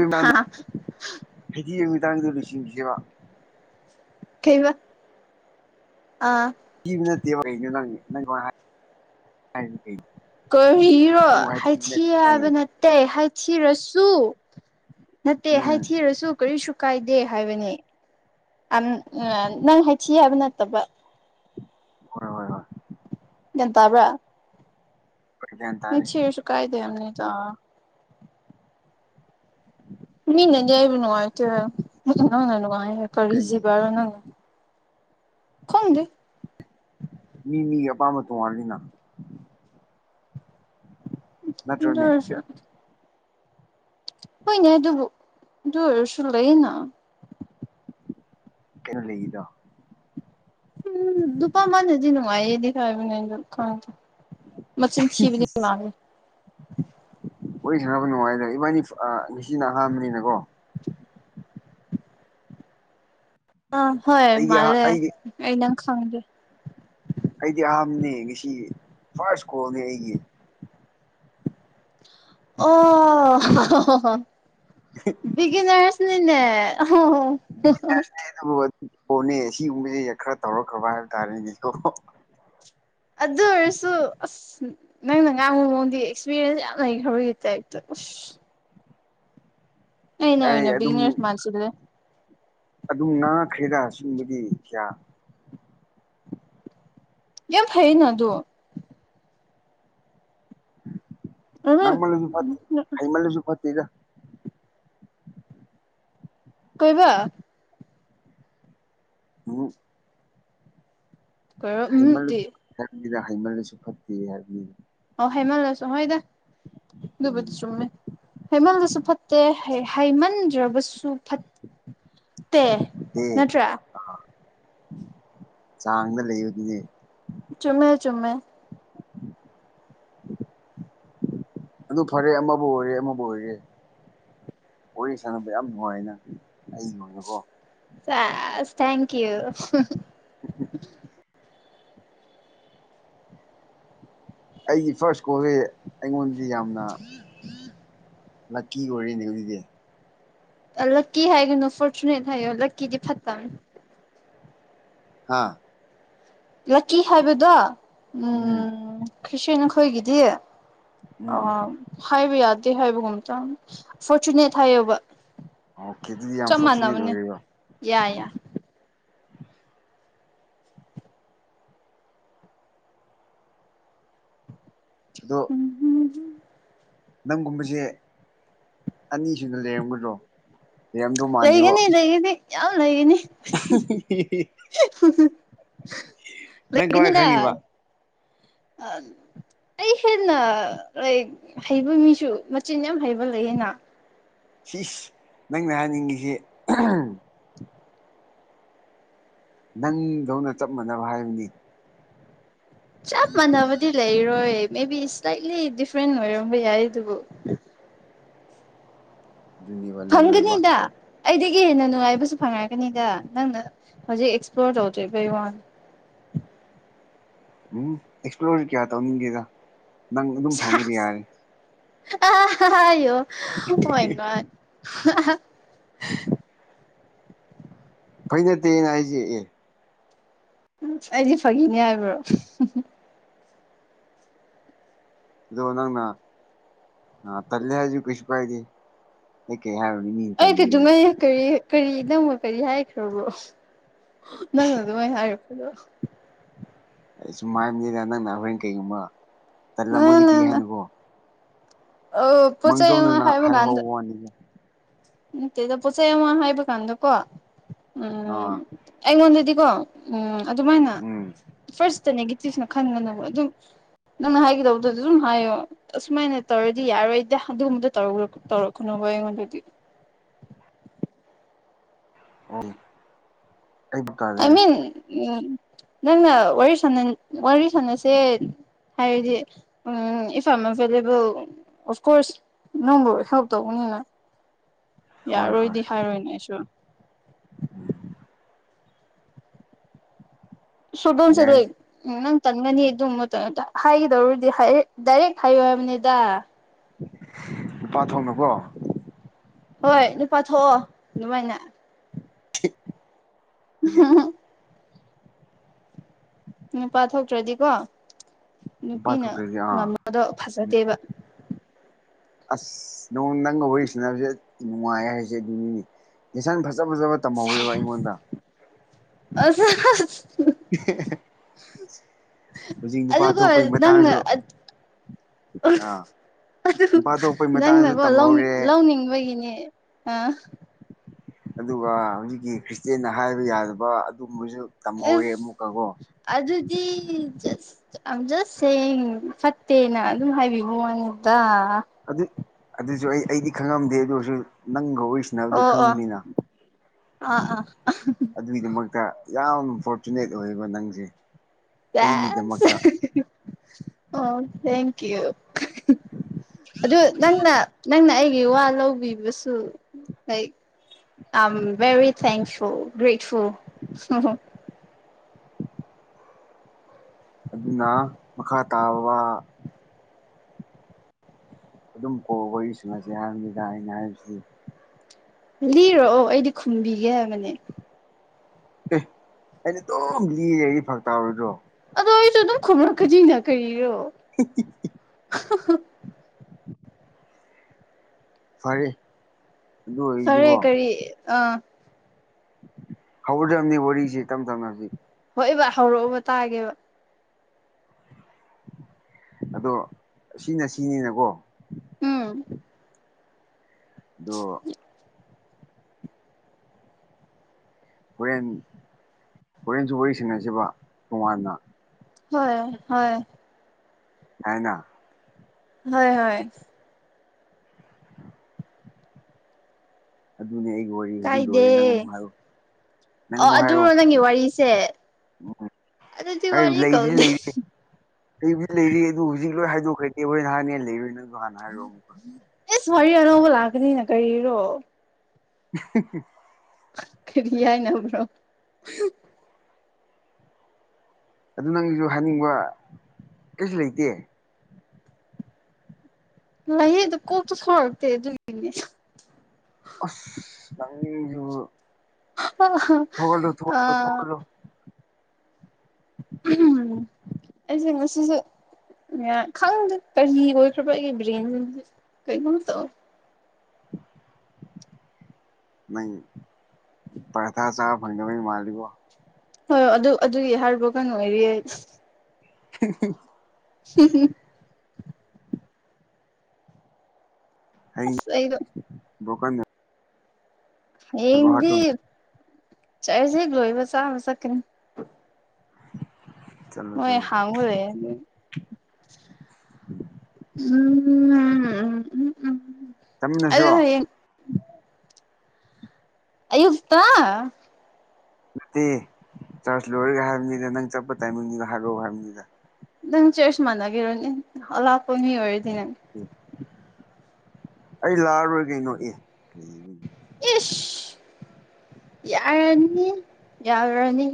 ꯍꯥꯏꯗꯤ ꯅꯨꯃꯤꯗꯥꯡꯗ ꯂ‌ꯣꯏꯁꯤꯟꯈꯤꯒ‌‌ꯦꯕ ꯀꯩꯕ ꯑꯥ ꯀꯤꯕ ꯅꯠꯇꯦꯕ ꯀꯩꯅꯣ ꯅꯪ [inaudible] ꯀꯩꯅ‌ꯣ ꯀꯔꯤꯔꯣ ꯍꯥꯏꯊꯤ ꯍꯥꯏꯕ ꯅꯠꯇꯦ ꯍꯥꯏꯊꯤꯔꯁꯨ ꯅꯠꯇꯦ ꯎꯝ ꯍꯥꯏꯊꯤꯔꯁꯨ ꯀꯔꯤꯁꯨ ꯀꯥꯏꯗꯦ ꯍꯥꯏꯕꯅꯦ ꯑꯝ ꯅꯪ ꯍꯥꯏꯊꯤ ꯍꯥꯏꯕ ꯅꯠꯇꯕ ꯍꯣꯏ ꯍꯣꯏ ꯍꯣꯏ ꯒ꯭ꯌꯥꯟ ꯇꯥꯕ꯭ꯔꯥ ꯍꯣꯏ ꯒ꯭ꯌꯥꯟ ꯇꯥꯔꯦ ꯍꯥꯏꯊꯤꯔꯁꯨꯨ ꯀꯥꯏꯗꯦ ꯍꯥꯏꯝꯅꯤꯗ ꯃꯤꯅꯗꯤ ꯑꯩꯕꯨ ꯅꯨꯡꯉꯥꯏꯇ‌ꯦ ꯅꯪꯅ ꯅꯨꯡꯉꯥꯏ ꯀꯔꯤ ꯀꯩꯒꯤ ꯖꯤꯕꯅ‌ꯣ ꯅꯪꯅ ꯈꯪꯗ‌ꯦ ꯃꯤ ꯃꯤꯒꯤ ꯑꯄꯥꯝꯕ ꯇꯣꯡꯉꯥꯜꯂꯤꯅ ꯎꯝ ꯅꯠꯇ꯭ꯔꯣꯅꯦ ꯑꯗꯨꯑꯣꯏꯁꯨ ꯍꯣꯏꯅꯦ ꯑꯗꯨꯕꯨ ꯗꯨ ꯑꯣꯏꯔꯁꯨ ꯂꯩꯅꯥ ꯀꯩꯅ‌ꯣ ꯂꯩꯗ‌ꯣ ꯎꯝ ꯅꯨꯄꯥ ꯃꯥꯅꯗꯤ ꯅꯨꯡꯉꯥꯏꯌꯦꯗꯤ ꯍꯥꯏꯕꯅ‌ꯦ ꯑꯗ‌ꯣ ꯈꯪꯗ‌ꯦ ꯃꯆꯤꯟ ꯊꯤꯕꯅ‌ꯦ ꯃꯥꯁ‌ꯦ ꯍꯣꯏ ꯁꯥꯟꯅꯕ ꯅꯨꯡꯉꯥꯏꯗ ꯏꯕꯥꯅꯤ ꯉꯁꯤꯅ ꯑꯍꯥꯟꯕꯅꯤꯅꯀꯣ [unintelligible] ꯑꯥ ꯍꯣꯏ ꯑꯩꯗꯤ ꯑꯍꯥ ꯃꯥꯜꯂꯦ ꯑꯩꯗꯤ ꯑꯩ ꯅꯪ ꯈꯪꯗꯦ ꯑꯩꯗꯤ ꯑꯍꯥꯟꯕꯅꯦ ꯉꯁꯤ ꯐꯥꯔꯁ ꯀꯣꯜꯅꯦ ꯑꯩꯒꯤ ꯑꯣꯍ‌ꯣꯍ‌ꯣ ꯕꯤꯒꯅꯔꯁꯅꯤꯅꯦ [unintelligible] ꯑꯗꯨꯕꯨꯅꯦ ꯁꯤꯒꯨꯝꯕꯁꯤ ꯈꯔ ꯇꯧꯔ ꯀꯔꯕꯥꯔ ꯍꯥꯏꯕ ꯇꯥꯔꯦꯅꯦꯀꯣ ꯑꯗꯨ ꯑꯣꯏꯔꯁꯨ ꯑꯁ ꯅꯪꯅ ꯉꯥꯡꯕ ꯃꯑꯣꯡꯗꯤ ꯑꯦꯛꯁꯄꯤꯔꯤꯌꯦꯟꯁ ꯌꯥꯝ ꯂꯩꯈ꯭ꯔꯕꯒꯤ ꯇꯥꯏꯞꯇ ꯑꯁ ꯑꯩꯅꯣ ꯑꯩ ꯑꯩꯅ ꯑꯗꯨꯝ ꯕꯤꯒꯅꯤꯔꯁ ꯃꯥꯟꯁꯤꯜꯂ‍ꯦ ꯑꯗꯨꯝ ꯉꯥꯡꯈ꯭ꯔꯦꯗ ꯁꯤꯒꯨꯝꯕꯗꯤ ꯀꯌꯥ ꯌꯦ ꯐꯩꯅ ꯑꯗꯨ ꯉꯥꯡꯃꯡꯂꯁꯨ ꯐꯠꯇꯦ ꯍꯩꯃꯜꯂꯁꯨ ꯐꯠꯇꯦꯗ ꯀꯩꯕ [unintelligible] ꯀꯩꯔꯣ ꯎꯝꯗꯤ ꯍꯩꯃꯜꯂꯁꯨ ꯍꯥꯏꯕꯅꯤꯗ ꯍꯩꯃꯜꯂꯁꯨ ꯐꯠꯇꯦ ꯍꯥꯏꯕꯅꯤꯗ ꯑꯣ ꯍꯩꯃꯜ ꯂꯁꯨ ꯍꯣꯏꯗ ꯑꯗꯨꯕꯨꯗꯤ ꯎꯝ ꯆꯨꯝꯃꯦ ꯍꯩꯃꯟꯂꯁꯨ ꯐꯠꯇꯦ ꯍꯩꯃꯟꯗ꯭ꯔꯕꯁꯨ ꯐꯠꯇꯦ ꯗꯦ ꯅꯠꯇ꯭ꯔꯥ ꯆꯥꯡꯗ ꯂꯩꯕꯒꯤꯅꯦ ꯆꯨꯝꯃꯦ ꯆꯨꯝꯃꯦ ꯑꯗꯨ ꯐꯔꯦ ꯑꯃꯕꯨ ꯑꯣꯏꯔꯦ ꯑꯃꯕꯨ ꯑꯣꯏꯔꯦ ꯋꯥꯔꯤ ꯁꯥꯟꯅꯕ ꯌꯥꯝ ꯅꯨꯡꯉꯥꯏꯅ ꯑꯩꯒꯤ ꯑꯣꯏ ꯁ‌ꯦꯁ ꯊꯦꯡꯀꯤꯌꯨ ꯑꯩꯒꯤ ꯐꯥꯔꯁ ꯀꯣꯜꯁꯦ ꯑꯩꯉꯣꯟꯗꯗꯤ ꯌꯥꯝꯅ ꯂꯛꯀꯤ ꯑꯣꯏꯔ‌ꯦꯅ‌ꯦ ꯉꯁꯤꯗꯤ ꯂꯛꯀꯤ ꯍꯥꯏꯒꯅꯨ ꯐꯣꯔꯆꯨꯅꯦꯠ ꯍꯥꯏꯌꯣ ꯂꯛꯀꯤꯗꯤ ꯐꯠꯇꯝ ꯍꯥꯥ ꯂꯛꯀꯤ ꯍꯥꯏꯕꯗꯣ ꯎꯝ ꯈ꯭ꯔꯤꯇꯤꯌꯞ ꯈꯣꯏꯒꯤꯗꯤ ꯑ ꯎꯝ ꯎꯝ ꯍꯥꯏꯕ ꯌꯥꯗꯦ ꯍꯥꯏꯕꯒꯨꯝ ꯑꯇꯪ ꯐꯣꯔꯆꯨꯅꯦꯠ ꯍꯥꯏꯌ‌ꯣꯕ ꯑꯣꯀꯦ ꯑꯗꯨꯗꯤ ꯌꯥꯝ ꯆꯞ ꯐꯣꯔꯆꯨꯅꯦꯠ ꯃꯥꯅꯕꯅꯤ ꯑꯣꯏꯔꯦꯕ ꯌꯥ ꯌꯥ ꯎꯝ ꯑꯗꯣ ꯎꯝ ꯅꯪꯒꯨꯝꯕꯁꯦ ꯑꯅꯤ ꯁꯨꯅ ꯂꯩꯔꯝꯒꯗ꯭ꯔꯣ ꯂꯩꯔꯝꯗꯧ ꯃꯥꯟꯗꯦꯕꯣ ꯂꯩꯒꯅꯤ ꯂꯩꯒꯅꯤ ꯌꯥꯝ ꯂꯩꯒꯅꯤ [unintelligible] ꯅꯪ ꯀꯃꯥꯏ ꯂꯩꯒꯅꯤꯗ ꯈꯪꯉꯤꯕ ꯑꯩ ꯍꯦꯟꯅ ꯂꯥꯏꯔꯤꯛ ꯍꯩꯕ ꯃꯤꯁꯨ ꯃꯆꯤꯟ ꯌꯥꯝ ꯍꯩꯕ ꯂꯩꯌꯦꯅ ꯁꯤꯁ ꯅꯪꯅ ꯍꯥꯏꯅꯤꯡꯉꯁꯤ ꯅꯪꯗꯧꯅ ꯆꯞ ꯃꯥꯟꯅꯕ ꯍꯥꯏꯕꯅꯤ ꯆꯞ ꯃꯥꯟꯅꯕꯗꯤ ꯂꯩꯔꯣꯏ ꯃꯦ ꯕꯤ ꯁꯂꯥꯏꯠꯂꯤ ꯗꯤꯐ꯭ꯔꯦꯟ ꯑꯣꯏꯔꯝꯕ ꯌꯥꯏ ꯑꯗꯨꯕꯨ ꯨꯑꯗꯨꯅꯤꯕ ꯐꯪꯒꯅꯤꯗ ꯑꯩꯗꯒꯤ ꯍꯦꯟꯅ ꯅꯨꯡꯉꯥꯏꯕꯁꯨ ꯐꯪꯉꯛꯀꯅꯤꯗ ꯅꯪꯅ ꯍꯧꯖꯤꯛ ꯑꯦꯛꯁꯄ꯭ꯂꯣꯔ ꯇꯧꯗꯔꯤꯕꯩ ꯋꯥꯅꯤ ꯎꯝ ꯑꯦꯛꯁꯄ꯭ꯂꯣꯔꯁꯨ ꯀꯌꯥ ꯇꯧꯅꯤꯡꯗꯦꯗ ꯅꯪ ꯑꯗꯨꯝ ꯐꯪꯉꯗꯤ ꯌꯥꯔꯦ ꯑꯣ ꯍꯣꯏ ꯐꯥꯒꯤ ꯅꯠꯇꯦ ꯑꯩꯅ ꯍꯥꯏꯁꯦ ꯎꯝ ꯑꯩꯗꯤ ꯐꯥꯒꯤꯅꯦ ꯍꯥꯏꯕ꯭ꯔꯣ ꯑꯗꯣ ꯅꯪꯅ ꯇꯜꯂꯦ ꯍꯥꯏꯁꯨ ꯀꯩꯁꯨ ꯀꯥꯏꯗꯦ ꯑꯩ ꯀꯩ ꯍꯥꯏꯔꯨꯅꯤ ꯃꯤ ꯑꯩꯗꯤ ꯑꯗꯨꯉꯩ ꯀꯔꯤ ꯀꯔꯤ ꯅꯪꯕꯨ ꯀꯔꯤ ꯍꯥꯏꯈ꯭ꯔꯕꯣ ꯅꯪꯅ ꯑꯗꯨꯃꯥꯏ ꯍꯥꯏꯔꯛꯄꯗ ꯁꯨꯝ ꯍꯥꯏꯕꯅꯤꯅ ꯅꯪꯅ ꯍꯣꯔꯦꯟ ꯀꯩꯒꯨꯝꯕ ꯇꯜꯂꯝꯃꯒꯗꯤ ꯍꯥꯏꯅꯕꯣ ꯑꯣ ꯄꯣꯠ ꯆꯩ ꯍꯥꯏꯕ ꯉꯝꯗꯦ ꯅꯤꯦ [unintelligible] ꯅꯠꯇꯦꯗ ꯄꯣꯠꯆꯩ ꯑꯃ ꯍꯥꯏꯕ ꯀꯥꯟꯗꯀꯣ ꯎꯝ ꯑꯥ ꯑꯩꯉꯣꯟꯗꯗꯤꯀꯣ ꯎꯝ ꯑꯗꯨꯃꯥꯏꯅ ꯎꯝ ꯐꯥꯔꯁꯇ ꯅꯦꯒꯦꯇꯤꯞꯅ ꯈꯟꯒꯅꯨꯕ ꯑꯗꯨꯝ ꯅꯪꯅ ꯍꯥꯏꯒꯗꯕꯗꯨꯗꯤ ꯑꯗꯨꯝ ꯍꯥꯏꯌꯣ ꯑꯁꯨꯃꯥꯏꯅ ꯇꯧꯔꯗꯤ ꯌꯥꯔꯣꯏꯗ ꯑꯗꯨꯒꯨꯝꯕꯗꯣ ꯇꯧꯔꯛꯀꯅꯣꯕ ꯑꯩꯉꯣꯟꯗꯗꯤ ꯑꯣ ꯑꯩ ꯚꯥꯞ ꯑꯥꯏ ꯇꯥꯖꯔꯦ ꯃꯤꯟ ꯎ ꯅꯪꯅ ꯋꯥꯔꯤ ꯁꯥꯅ ꯋꯥꯔꯤ ꯁꯥꯟꯅꯁꯦ ꯍꯥꯏꯕꯗꯤ ꯎꯝ ꯏꯐꯥꯝꯐꯦꯂꯦꯕꯨ ꯑꯣꯐ ꯀꯣꯔꯁ ꯅꯪꯕꯨ ꯍꯦꯜꯞ ꯇꯧꯕꯅꯤꯅ ꯍꯣꯏ ꯌꯥꯔꯣꯏꯗꯤ ꯍꯥꯏꯔꯣꯏꯅꯦ ꯑꯩꯁꯨ ꯎꯝ ꯌꯥꯏ ꯁꯨꯕꯟꯁꯤꯔꯣꯏ ꯎꯝ ꯅꯪ ꯇꯟꯒꯅꯤ ꯑꯗꯨ ꯍꯥꯏꯒꯗꯧꯔꯗꯤ ꯗꯥꯏꯔꯦꯛ ꯍꯥꯏꯌꯣ ꯍꯥꯏꯕꯅꯤꯗ ꯅꯨꯄꯥ ꯊꯣꯛꯅ ꯀꯣ ꯍꯣꯏ ꯅꯨꯄꯥ ꯊꯣꯛꯑꯣ ꯑꯗꯨꯃꯥꯏꯅ ꯊ [unintelligible] ꯍꯝ ꯅꯨꯄꯥ ꯊꯣꯛꯇ꯭ꯔꯗꯤꯀꯣ ꯅꯨꯄꯥ ꯅꯨꯄꯤꯅ ꯊꯣꯛꯇ꯭ꯔꯗꯤ ꯑꯥ ꯉꯝꯕꯗꯣ ꯐꯖꯗꯦꯕ ꯑꯁ ꯅ ꯅꯪꯒ ꯋꯥꯔꯤ ꯁꯥꯟꯅꯕꯁꯦ ꯅꯨꯡꯉꯥꯏ ꯍꯥꯏꯁꯦ ꯑꯗꯨꯅꯤꯅꯦ ꯌꯦꯁꯟ ꯐꯖ ꯐꯖꯕ ꯇꯝꯍꯧꯔꯦꯕ ꯑꯩꯉꯣꯟꯗ ꯑ [unintelligible] ꯅꯨꯄꯥ ꯑꯗꯨꯒ ꯊꯣꯛꯄꯒꯤ ꯅꯪꯅ ꯃꯇꯥꯡꯁꯨ ꯑꯥ ꯅꯨꯄꯥ ꯊꯣꯛꯄꯒꯤ ꯃꯇꯥꯡꯁꯨ ꯅꯪꯅꯀꯣ ꯂꯧꯅꯤꯡ ꯇꯝꯍꯧꯔꯦ ꯂꯧꯅꯤꯡꯕꯒꯤꯅꯦ ꯑ ꯑꯗꯨꯒ ꯍꯧꯖꯤꯛꯀꯤ ꯈ꯭ꯔꯤꯁꯇꯦꯟ ꯍꯥꯏꯕ ꯌꯥꯗꯕ ꯑꯗꯨꯒꯨꯝꯕꯁꯨ ꯇꯝꯍꯧꯔꯦ ꯑꯁ ꯑꯃꯨꯛꯀꯒꯣ ꯑꯗꯨꯗꯤ ꯌꯥꯝ ꯖꯁꯁꯦꯡ ꯐꯠꯇꯦꯅ ꯑꯗꯨꯝ ꯍꯥꯏꯕꯤ ꯃꯉꯣꯟꯗ ꯑꯗꯨ ꯑꯗꯨꯁꯨ ꯑꯩ ꯑꯩꯗꯤ ꯈꯪꯉꯝꯗꯦ ꯑꯗꯨꯁꯨ ꯅꯪꯒ ꯋꯥꯔꯤ ꯁꯥꯟꯅꯕꯗꯩ ꯑꯣ ꯑꯣ ꯈꯪꯕꯅꯤꯅ ꯑꯥ ꯑꯥ ꯑꯗꯨꯒꯤꯗꯃꯛꯇ ꯌꯥꯝ ꯐꯣꯔꯆꯨꯅꯦꯠ ꯑꯣꯏꯌꯦꯕ ꯅꯪꯁꯦ ꯑꯩꯒꯤꯗꯃꯛꯇ ꯑ‌ꯣ ꯊ‌ꯦꯡ ꯀꯤꯎ ꯑꯗꯨ ꯅꯪꯅ ꯅꯪꯅ ꯑꯩꯒꯤ ꯋꯥ ꯂꯧꯕꯤꯕꯁꯨ I am very thankful grateful ꯑꯗꯨꯅ ꯃꯈꯥ ꯇꯥꯕ ꯑꯗꯨꯝ ꯀꯣ ꯋꯥꯔꯤ ꯁꯥꯟꯅꯁꯦ ꯍꯥꯏꯕꯅꯤꯗ ꯑꯩꯅ ꯍꯥꯏꯕꯁꯤ ꯂꯤꯔꯛꯑꯣ ꯑꯩꯗꯤ ꯈꯨꯝꯕꯤꯒꯦ ꯍꯥꯏꯕꯅꯦ ꯑꯦ ꯑꯩꯅ ꯑꯗꯨꯝ ꯂꯤ ꯂꯩꯔꯗꯤ ꯐꯔꯛ ꯇꯥꯔꯣꯏꯗ꯭ꯔꯣ ꯑꯗꯣ ꯑꯩꯁꯨ ꯑꯗꯨꯝ ꯈꯨꯝꯔꯛꯀꯅꯤꯅ ꯀꯔꯤꯔꯣ ꯐꯔꯦ ꯑꯗꯨ ꯐꯔꯦ ꯑꯣꯏꯔꯗꯤꯀꯣ ꯀꯔꯤ ꯑ ꯍꯧꯔꯗꯕꯅꯤ ꯋꯥꯔꯤꯁ‌ꯦ ꯇꯞ ꯇꯞꯅ ꯍꯣꯏꯕ ꯍꯧꯔꯛꯎꯕ ꯇꯥꯒꯦꯕ ꯑꯗꯣ ꯁꯤꯅ ꯁꯤꯅꯤꯅꯀꯣ ꯎꯝ ꯑꯗ‌ꯣ ꯍꯣꯔꯦꯟ ꯍꯣꯔꯦꯟꯁꯨ ꯋꯥꯔꯤ ꯁꯥꯟꯅꯁꯤꯕ ꯇꯣꯉꯥꯟꯅ ꯍꯣꯏ ꯍꯣꯏ ꯌꯥꯏꯅ ꯍꯣꯏ ꯍꯣꯏ ꯑꯗꯨꯅꯦ ꯑꯩꯕꯨ ꯀꯔꯤ ꯀꯥꯏꯗꯦ ꯑꯣ ꯑꯗꯨꯔꯣ ꯅꯪꯒꯤ ꯋꯥꯔꯤꯁꯦ ꯎꯝ ꯑꯗꯨꯗꯤ ꯑꯩ ꯋꯥꯔꯤ ꯂꯩꯗꯤ ꯀꯧꯗꯦ ꯂꯩꯔꯤ ꯂꯩꯕꯨꯗꯤ ꯂꯩꯔꯤ ꯑꯗꯨ ꯍꯧꯖꯤꯛ ꯂꯣꯏ ꯍꯥꯏꯗꯣꯛꯈ꯭ꯔꯗꯤ ꯍ‌ꯣꯔ‌ꯦꯟ ꯍꯥꯏꯅꯤꯉꯥꯏ ꯂꯩꯔꯣꯏꯗꯩ ꯑꯦꯁ ꯋꯥꯔꯤ ꯑꯅꯧꯕ ꯂꯥꯛꯀꯅꯤꯅ ꯀꯔꯤꯔꯣ [unintelligible] ꯀꯔꯤ ꯍꯥꯏꯅꯕ꯭ꯔꯣ ꯑꯗꯨ ꯅꯪꯒꯤꯁꯨ ꯍꯥꯏꯅꯤꯡꯕ ꯀꯩꯁꯨ ꯂꯩꯇꯦ ꯂꯩꯌꯦ ꯑꯗꯨ ꯀꯣꯛꯇ ꯊ‌ꯣꯛꯂꯛꯇ‌ꯦ ꯑꯗꯨꯒꯤꯅꯦ ꯑꯁ ꯅꯪꯁꯤꯁꯨ [unintelligible] ꯊꯧꯒꯠꯂꯨ ꯊꯧꯒꯠꯂꯨ ꯑꯥ ꯊꯧꯒꯠꯂꯨ ꯑꯩꯁ‌ꯦ ꯉꯁꯤꯁ‌ꯦ ꯈꯪꯗꯦ ꯀꯔꯤ ꯑꯣꯏꯈ꯭ꯔꯕ ꯑꯩꯒꯤ ꯕ꯭ꯔꯦꯟꯁ‌ꯦ ꯉꯁꯤꯁ‌ꯦ ꯀꯩꯅ‌ꯣꯝ ꯇꯧꯌ‌ꯦ ꯅꯪ ꯄꯔꯊ ꯆꯥ ꯐꯪꯗꯕꯩ ꯃꯥꯜꯂꯤꯕ‌ꯣ ꯍꯣꯏ ꯑꯗꯨ ꯑꯗꯨꯒꯤ ꯍꯥꯔꯠꯕꯔ‌ꯣꯛ ꯀꯟꯅ ꯑꯣꯏꯔꯤꯌꯦ [unintelligible] [unintelligible] ꯑꯁ ꯑꯩꯗ‌ꯣ ꯕꯔ‌ꯣꯛꯀꯟ ꯑꯣꯏ ꯍꯌꯦꯡꯗꯤ ꯍꯥꯔꯠꯇꯣ ꯆꯔꯁ ꯍꯦꯛ ꯂꯣꯏꯕꯒ ꯆꯥꯕ ꯆꯠꯀꯅꯤ ꯆꯠꯂꯣ ꯃ‌ꯣꯏ ꯆꯠꯂꯣ ꯍꯥꯡꯐꯧ ꯂꯩꯔꯅꯤ ꯎꯝ ꯎꯝ ꯎꯝ ꯎꯝ ꯑꯗꯨ ꯆꯠꯃꯤꯟꯅꯁꯤꯔ‌ꯣ ꯍꯌꯦꯡ ꯑꯌꯨꯛꯇ ꯅꯠꯇꯦ ꯆꯥꯔꯁ ꯂꯣꯏꯔꯒ ꯍꯥꯏꯕꯅꯤꯗ ꯅꯪ ꯆꯠꯄ ꯇꯥꯏꯃꯤꯡꯗꯨꯗ ꯍꯥꯏꯔꯛꯑꯣ ꯍꯥꯏꯕꯅꯤꯗ ꯅꯪ ꯆꯦꯔꯁ ꯃꯟꯅꯒꯦꯔꯣꯅꯤ ꯑꯂꯥꯛꯄ ꯃꯤ ꯑꯣꯏꯔꯗꯤꯅ‌ꯦ [unintelligible] ꯑꯩ ꯂꯥꯛꯑꯔꯣꯏ ꯀꯩꯅꯣ ꯑꯦ ꯀꯒꯤꯅꯣ ꯏꯁ ꯌꯥꯔꯅꯤ ꯌꯥꯎꯔꯅꯤ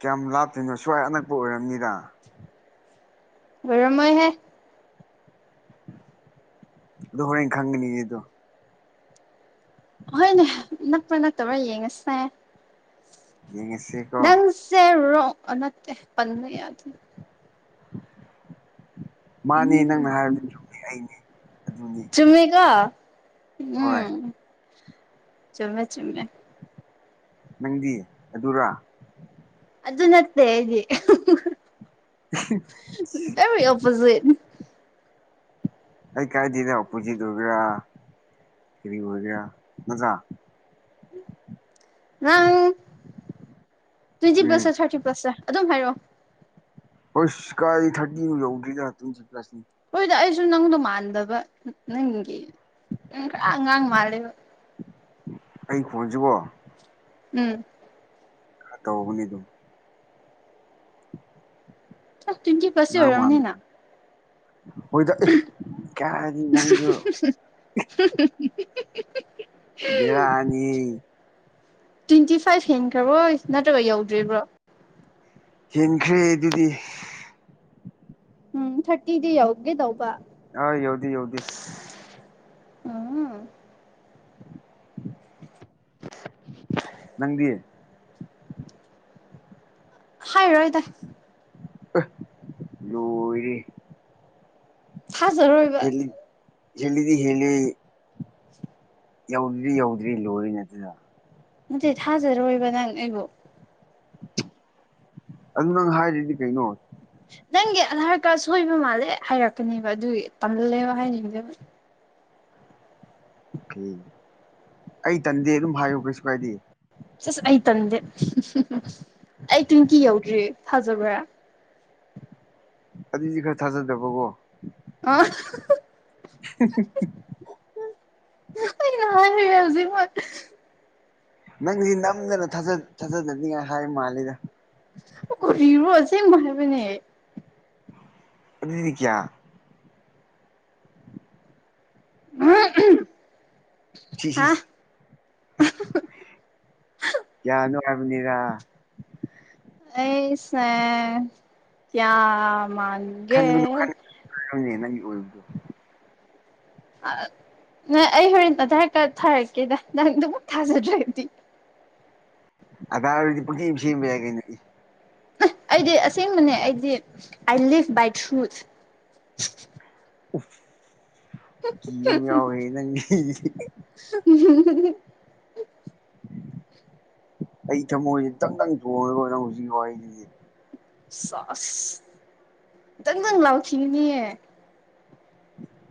ꯀꯌꯥꯝ ꯂꯥꯞꯇꯣꯏꯅꯣ ꯁ꯭ꯋꯥꯏ ꯑꯅꯛꯄ ꯑꯣꯏꯔꯝꯅꯤꯗ ꯑꫭꯏꯔꯝꯃꯣꯏꯍꯦ ꯑꯗꯨ ꯍꯣꯔꯦꯟ ꯈꯪꯒꯅꯤ ꯑꯗꯨ ꯍꯣꯏꯅꯦ ꯅꯛꯄ꯭ꯔꯥ ꯅꯠꯇꯕ꯭ꯔꯥ ꯌꯦꯡꯉꯁꯦ ꯌꯦꯡꯉꯁꯤꯀꯣ ꯅꯪꯁꯦ ꯔꯣ ꯑꯅꯠꯇꯦ ꯄꯟ ꯌꯥꯗꯦ ꯃꯥꯅꯦ ꯅꯪꯅ ꯍꯥꯏꯔꯕꯗꯨ ꯆꯨꯝ ꯑꯩꯅꯦ ꯑꯗꯨꯅꯤ ꯆꯨꯝꯃꯤꯒꯥ ꯍꯣꯏ ꯎꯝ ꯆꯨꯝꯃꯦ ꯆꯨꯝꯃꯦ ꯅꯪꯗꯤ ꯑꯗꯨꯔ ꯑꯗꯨ ꯅꯠꯇꯦ ꯑꯩꯗꯤ ꯑꯣꯄꯣꯖꯤꯠ ꯑꯩ ꯀꯥꯏ ꯊꯗ ꯑꯣꯄꯣꯖꯤꯠ ꯒꯦꯔꯥ ꯀꯔꯤꯒꯦꯔ ꯅꯠꯇ ꯅꯪ ꯇ꯭ꯋꯦꯟꯇꯤ ꯎꯝ ꯄ꯭ꯂꯁ ꯊꯥꯔꯇꯤ ꯄ꯭ꯂꯁꯁꯦ ꯑꯗꯨꯝ ꯍꯥꯏꯔꯛꯑꯣ ꯍꯣꯏ ꯁꯀꯥꯏꯔꯤ ꯊꯥꯔꯇ ꯌꯧꯗ꯭ꯔꯤꯒ ꯇ꯭ꯂꯅꯤ ꯍꯣꯏꯗ ꯑꯩꯁꯨ ꯅꯪꯗꯣ ꯃꯥꯟꯗꯕ ꯅꯪꯒꯤ ꯅꯪ ꯈꯔ ꯑꯉꯥꯡ ꯃꯥꯜꯂꯦꯕ ꯑꯩ ꯄꯣꯖꯕꯣ ꯎꯝ ꯇꯧꯕꯧꯕꯅꯤ ꯑꯗꯨꯝ ꯇ꯭ꯋꯦꯟꯇꯤ ꯐꯥꯔꯁꯦ ꯑꯉꯥꯡ ꯑꯣꯏꯔꯕꯅꯤꯅ ꯃꯥꯟꯕꯅꯤ ꯍꯣꯏꯗ ꯀꯗꯤ ꯅꯪꯁꯨ ꯇꯁ ꯀꯁ ꯕꯔ ꯑꯅꯤ ꯇ꯭ꯋꯦꯟꯇꯤ ꯐꯥꯏꯚ ꯍꯦꯟꯈ꯭ꯔꯔꯣꯏ ꯅꯠꯇ꯭ꯔꯒ ꯌꯧꯗ꯭ꯔꯤꯕ꯭ꯔꯣ ꯍꯦꯟꯈ꯭ꯔꯦ ꯑꯗꯨꯗꯤ ꯎꯝ ꯊꯥꯔꯇꯤꯗꯤ ꯌꯎꯒꯦ ꯇꯧꯕ ꯑ ꯌꯧꯗꯤ ꯌꯧꯗ ꯑꯝ [inaudible] ꯅꯪꯗꯤꯌꯦ ꯍꯥꯏ ꯔꯣꯏꯗ꯫ ꯂꯣꯔꯤ꯫ ꯊꯥꯖꯔꯣꯏꯕ ꯍꯦꯜꯂꯤꯗ ꯍꯦꯜꯂꯤ꯫ ꯌꯧꯗ꯭ꯔꯤ ꯌꯧꯗ꯭ꯔꯤ ꯂꯣꯏꯔꯤꯅꯤ ꯑꯗꯨꯗ ꯅꯠꯇꯦ ꯊꯥꯖꯔꯣꯏꯕ ꯅꯪ ꯑꯩꯕꯨ ꯑꯗꯨ ꯅꯪ ꯍꯥꯏꯔꯤꯗꯤ ꯀꯩꯅꯣ ꯅꯪꯒꯤ ꯑꯙꯥꯔ ꯀꯥꯔꯗ ꯁꯣꯏꯕ ꯃꯥꯜꯂꯦ ꯍꯥꯏꯔꯛꯀꯅꯦꯕ ꯑꯗꯨꯒꯤ ꯇꯝꯜꯂꯦꯕ ꯍꯥꯏꯅꯤꯡꯗꯦꯕ ꯑꯣꯀꯦ ꯑꯩ ꯇꯟꯗꯦ ꯑꯗꯨꯝ ꯍꯥꯏꯌꯨ ꯀꯩꯁꯨ ꯀꯥꯏꯗꯦ ꯆꯁ ꯑꯩ ꯇꯟꯗꯦ ꯑꯩ ꯇꯤꯟꯇꯤ ꯌꯧꯗ꯭ꯔꯤ ꯊꯥꯖꯕ꯭ꯔꯥ ꯑꯗꯨꯗꯤ ꯈꯔ ꯊꯥꯖꯗꯕꯀꯣ ꯑꯥ [inaudible] ꯑꯩ ꯍꯧꯖꯤ ꯅꯪꯁꯤ ꯅꯝꯗꯅ ꯊꯥꯖꯗꯅꯤꯡꯉꯥꯏ ꯍꯥꯏ ꯃꯥꯜꯂꯤꯦꯗ ꯔꯨꯁꯦ ꯃꯥꯏ ꯃꯅꯤꯅꯦ ꯑꯗꯨꯅꯤ ꯀꯌꯥ ꯍ ꯌꯥ ꯅꯨꯡꯉꯥꯏꯕꯅꯤꯔ ꯑꯁ ꯀꯌꯥ ꯃꯥꯅꯤ ꯈꯟꯒꯅꯨ ꯈꯟ ꯈꯕꯅꯤ ꯅꯪꯒꯤ ꯑꯣꯏꯕꯗꯣ ꯅꯪ ꯑꯩ ꯍꯣꯔꯦꯟ ꯑꯙꯥꯔ ꯀꯥꯔꯗ ꯊꯥꯔꯛꯀꯦꯗ ꯅꯪꯗꯨꯕꯨꯨꯛ ꯊꯥꯖꯗ꯭ꯔꯒꯗꯤ ꯑꯗꯗꯤ ꯀ ꯁ ꯌꯥ ꯀꯅꯤ ꯑꯩꯗꯤ ꯑꯁꯦꯡꯕꯅꯦ ꯑꯩꯗꯤ ꯑꯥꯏ ꯂꯤꯚ ꯕꯥꯏꯠ ꯁꯨ ꯀ ꯌ ꯌꯥꯎ ꯍ ꯅꯪ ꯎꯝ ꯑꯩ ꯊꯃꯣꯏꯁꯦ ꯇꯪꯗꯪ ꯆꯣꯡꯉꯒ ꯅꯪ ꯍꯧꯖꯤꯛꯀꯤ ꯋꯥꯔꯤꯗꯨꯗꯤ ꯁꯁ ꯈꯤꯇꯪ ꯅꯪ ꯂꯥꯎꯈꯤꯅꯦ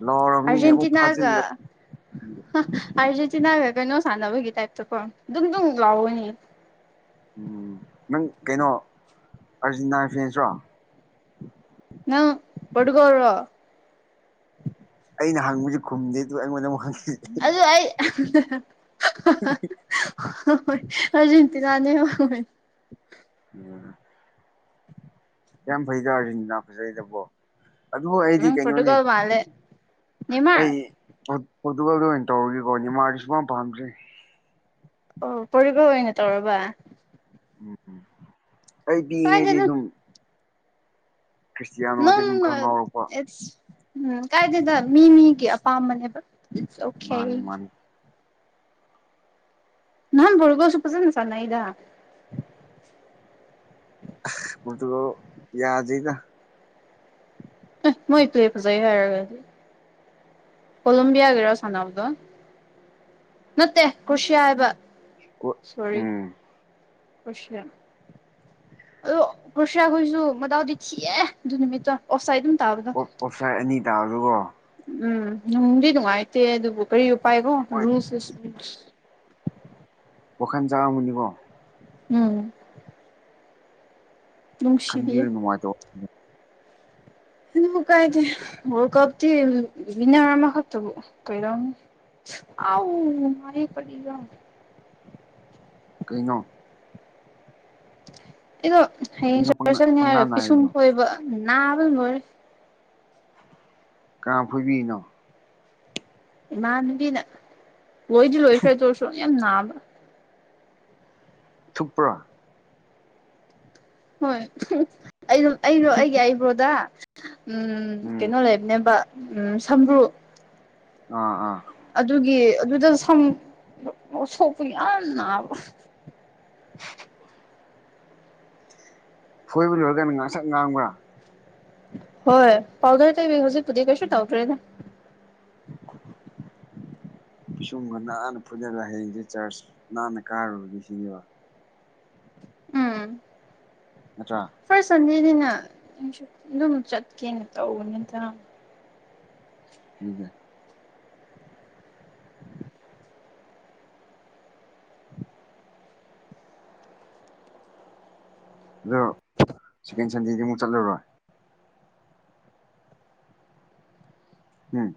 ꯂꯥꯎꯔꯕꯅꯤꯅꯦ ꯑꯃꯨꯛ ꯑꯔꯖꯦꯟꯇꯤꯅꯥꯒ ꯐꯥꯖꯤꯜꯂ ꯑꯔꯖ ꯆ ꯅꯅꯥꯒ ꯀ ꯅꯣ ꯁꯥꯟꯅꯕꯨꯒꯤ ꯇꯥꯏ ꯇ ꯀ ꯊ ꯂꯥꯎꯑꯣꯅꯤ ꯎꯝ ꯅꯪ ꯀꯩꯅꯣ ꯑꯥꯔꯖꯤꯦꯟꯇꯥꯏ ꯐ꯭ꯔꯦꯟꯁ꯭ꯔꯣ ꯅꯪ ꯄꯔꯣꯇꯨꯒꯜꯂꯣ ꯑꯩꯅ ꯍꯪꯕꯁꯨ ꯈꯨꯝꯗꯦ ꯑꯗꯨ ꯑꯩꯉꯣꯟꯗ ꯑꯃꯨꯛ ꯍꯪꯈꯤ ꯍꯣꯏ ꯑꯔꯖꯦꯟꯇꯤꯅꯥꯅꯦ ꯍꯣꯏ ꯑꯣꯝ ꯌꯥꯝ ꯐꯩꯗ ꯑꯥꯔꯟꯅꯥ ꯐꯖꯩꯗꯕꯣ ꯑꯗꯨꯕꯨ ꯑꯩꯗꯤ ꯅꯪ ꯀꯩꯅꯣꯅꯤ ꯄꯣꯔꯇꯨꯒꯜ ꯃꯥꯜꯂꯦ ꯑꯩ ꯅꯦꯃꯥꯔ ꯄꯣꯔꯇꯨꯒꯜꯗ ꯑꯣꯏꯅ ꯇꯧꯔꯒꯦꯀꯣꯅꯦ ꯃꯥꯗꯤ ꯁꯨꯛ ꯌꯥꯝ ꯄꯥꯝꯗ꯭ꯔꯦ ꯑꯣ ꯄꯣꯒ ꯑꯣꯏꯅ ꯇꯧꯔꯕ ꯎꯝꯝ ꯑꯩ ꯄꯤꯏꯉꯩꯗꯤ ꯀꯥꯏꯗꯩꯅꯣ ꯑꯗꯨꯝ ꯈ꯭ꯔꯤꯁꯇꯤꯌꯥꯅꯣꯁꯦ ꯑꯗꯨꯝ ꯈꯔ ꯉꯥꯎꯔꯛꯄ ꯅꯠ ꯎꯝ ꯀꯥꯏꯗꯗ ꯃꯤ ꯃꯤꯒꯤ ꯑꯄꯥꯝꯕꯅꯦꯕ ꯑꯣꯦ ꯃꯥꯅꯤ ꯑꯩ ꯃꯥꯅꯤ ꯅꯥꯟ ꯄꯨꯔꯒꯣꯁꯨ ꯄꯁꯟ ꯁꯅ ꯏꯗ ꯃꯗꯨꯒꯣ ꯌꯥꯗꯩꯒ ꯃꯣꯏ ꯏꯋꯦ ꯄꯨꯖꯥꯏ ꯍ ꯍꯥꯏꯔꯒꯗꯤ ꯀꯣꯂꯝꯣꯕꯤꯌꯥꯒꯤꯔꯣ ꯁꯥꯟꯅꯕꯅꯕꯗꯣ ꯅꯠꯇꯦ ꯀꯣꯁꯤꯌꯥ ꯍꯥꯏꯕ ꯀꯣ- ꯁꯣꯔꯤ ꯎꯝ ꯀꯁꯌꯥꯦꯟ ꯑꯗꯣ ꯣꯁꯥꯈꯣꯏꯁꯨ ꯗꯥꯎꯗꯤ ꯊꯤꯑ ꯑꯗꯨ ꯅꯨꯃꯤꯠꯇꯣ ꯑꯣꯁꯥꯏ ꯑꯗꯨꯝ ꯇꯥꯔꯗ ꯑꯣꯞ ꯑꯣꯞꯁꯥꯏꯠ ꯑꯅꯤ ꯇꯥ ꯑꯗꯨꯒꯣ ꯎꯝ ꯅꯨꯡꯗꯤ ꯅꯨꯡꯉꯥꯏꯇꯦ ꯑꯗꯨꯕꯨ ꯀꯔꯤ ꯎꯄꯥꯏꯈꯣ ꯍꯣꯏ ꯔꯨꯁꯨ ꯋꯥꯈꯜ ꯆꯥ ꯑꯃꯅꯤꯕꯣ ꯎꯝ ꯅꯨꯡꯁꯤꯕꯤꯌꯦ ꯈꯟꯕꯤꯔꯨ ꯅꯨꯡꯉꯥꯏꯇꯧ ꯀꯥꯏꯗꯤ ꯀꯞꯗꯤ ꯕꯤꯅꯥ ꯃꯔꯔ ꯍꯥ ꯇꯕꯨ ꯀꯔ ꯑꯥꯎ ꯃꯥꯅꯦꯦ ꯄꯗ ꯀꯩꯩꯅꯣ ꯑꯩꯗꯣ ꯍꯌꯦꯡ ꯀꯩꯅꯣ ꯆ ꯄꯪꯅꯥ ꯆꯠꯅꯤ ꯄꯪꯅꯥ ꯍꯥꯏꯔ ꯄꯤꯁꯨꯝ ꯅꯥꯏꯔꯤꯗꯣ ꯀꯣꯏꯕ ꯅꯥꯕ ꯃꯣꯏꯔꯦ ꯀꯌꯥꯝꯝ ꯐꯣꯏꯕꯤꯔꯤꯅꯣ ꯏꯃꯥꯅꯕꯤꯅ ꯂꯣꯏꯗꯤ ꯂꯣꯏꯁ꯭ꯔ ꯇ ꯑꯣꯏꯁꯨ ꯌꯥꯝ ꯅꯥꯕ꯭ꯔꯥ ꯊꯨꯞꯄ꯭ꯔꯥ ꯍꯣꯏ ꯑꯩ ꯑꯩꯗꯣ ꯑꯩꯒꯤ ꯑꯩꯕ꯭ꯔꯣꯗ ꯎꯝ ꯎꯝ ꯀꯩꯅꯣ ꯂꯩꯕꯅꯦꯕ ꯎꯝ ꯁꯝ꯭ꯔꯨ ꯑꯥ ꯑꯥ꯫ ꯑꯗꯨꯒꯤ ꯑꯗꯨꯗ ꯁꯝ ꯁꯣꯛꯄ ꯌꯥꯝ ꯅꯥꯕ ꯐꯣꯏꯕ ꯂꯣꯏꯔꯀꯅ ꯉꯥꯡꯁꯛ ꯉꯥꯡꯕ꯭ꯔꯥ ꯍꯣꯏ ꯄꯥꯎꯗꯔꯦ ꯇ ꯍꯧꯖꯤꯛ ꯄꯨꯗꯤ ꯀꯩꯁ ꯇꯥꯎꯗꯔꯦꯅꯦ ꯄꯤꯁꯨꯝꯒ ꯅꯥꯟꯅ ꯐꯨꯠꯒ ꯍꯌꯦꯡꯁꯦ ꯆꯔꯆ ꯅꯥꯟꯅ ꯀꯥꯔꯨꯕꯒꯤ ꯍꯉꯦꯕ ꯎꯝ ꯅꯆꯥ ꯐꯔ ꯁꯟꯗꯦꯗꯤꯅ ꯑꯗꯨꯝ ꯆꯠꯀꯦꯅ ꯇꯧꯕ ꯅꯠꯇꯅ ꯎꯝ ꯑꯗꯣ ꯁꯤꯀꯦꯟ ꯁꯟꯗꯦꯗꯤ ꯑꯃꯨꯛ ꯆꯠꯂꯨꯔꯣꯏ꯫ ꯎꯝ